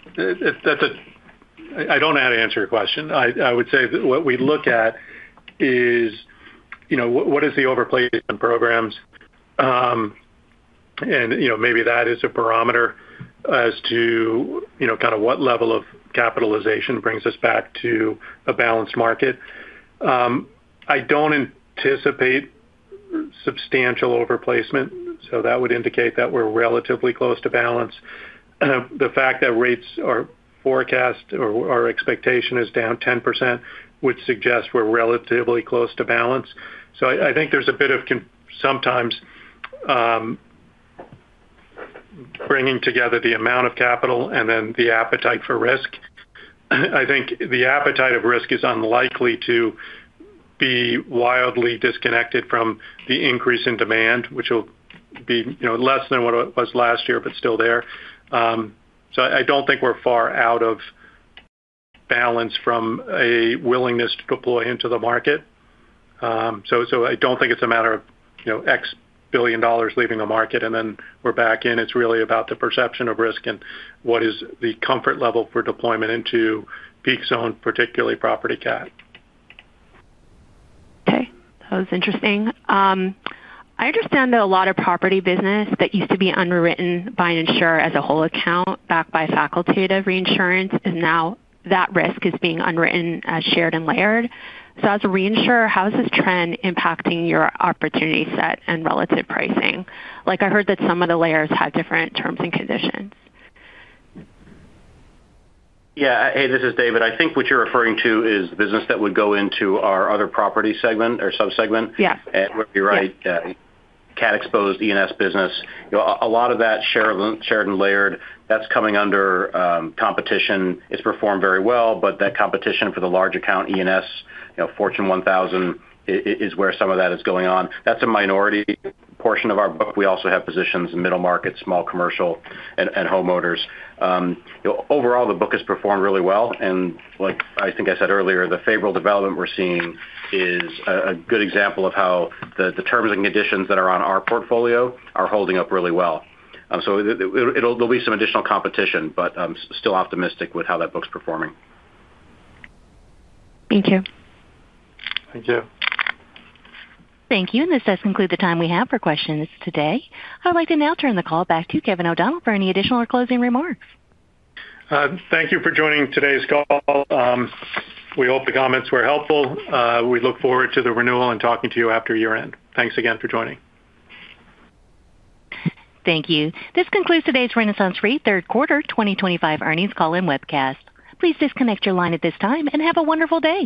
would say that what we look at is what is the overplacement in programs and maybe that is a barometer as to what level of capitalization brings us back to a balanced market. I don't anticipate substantial overplacement. That would indicate that we're relatively close to balance. The fact that rates are forecast or our expectation is down 10% would suggest we're relatively close to balance. I think there's a bit of sometimes bringing together the amount of capital and then the appetite for risk. I think the appetite of risk is unlikely to be wildly disconnected from the increase in demand, which will be less than what it was last year but still there. I don't think we're far out of balance from a willingness to deploy into the market. I don't think it's a matter of X billion dollars leaving the market and then we're back in. It's really about the perception of risk and what is the comfort level for deployment into peak zone, particularly property cat. Okay, that was interesting. I understand that a lot of property business that used to be underwritten by an insurer as a whole account backed by facultative reinsurance is now that risk is being unwritten, shared, and layered. As a reinsurer, how is this trend impacting your opportunity set and relative pricing? I heard that some of the layers had different terms and conditions. Yeah, this is David. I think what you're referring to is business that would go into our other property segment or sub segment. Yes, you're right. Cat exposed ENS business, a lot of that shared and layered, that's coming under competition. It's performed very well. That competition for the large account ENS Fortune 1000 is where some of that is going on. That's a minority portion of our book. We also have positions in middle market, small commercial, and homeowners. Overall, the book has performed really well. Like I think I said earlier, the favorable development we're seeing is a good example of how the terms and conditions that are on our portfolio are holding up really well. There'll be some additional competition, but still optimistic with how that book's performing. Thank you. Thank you. Thank you. This does conclude the time we have for questions today. I'd like to now turn the call back to Kevin O’Donnell for any additional or closing remarks. Thank you for joining today's call. We hope the comments were helpful. We look forward to the renewal and talking to you after year end. Thanks again for joining. Thank you. This concludes today's RenaissanceRe third quarter 2025 earnings call and webcast. Please disconnect your line at this time and have a wonderful day.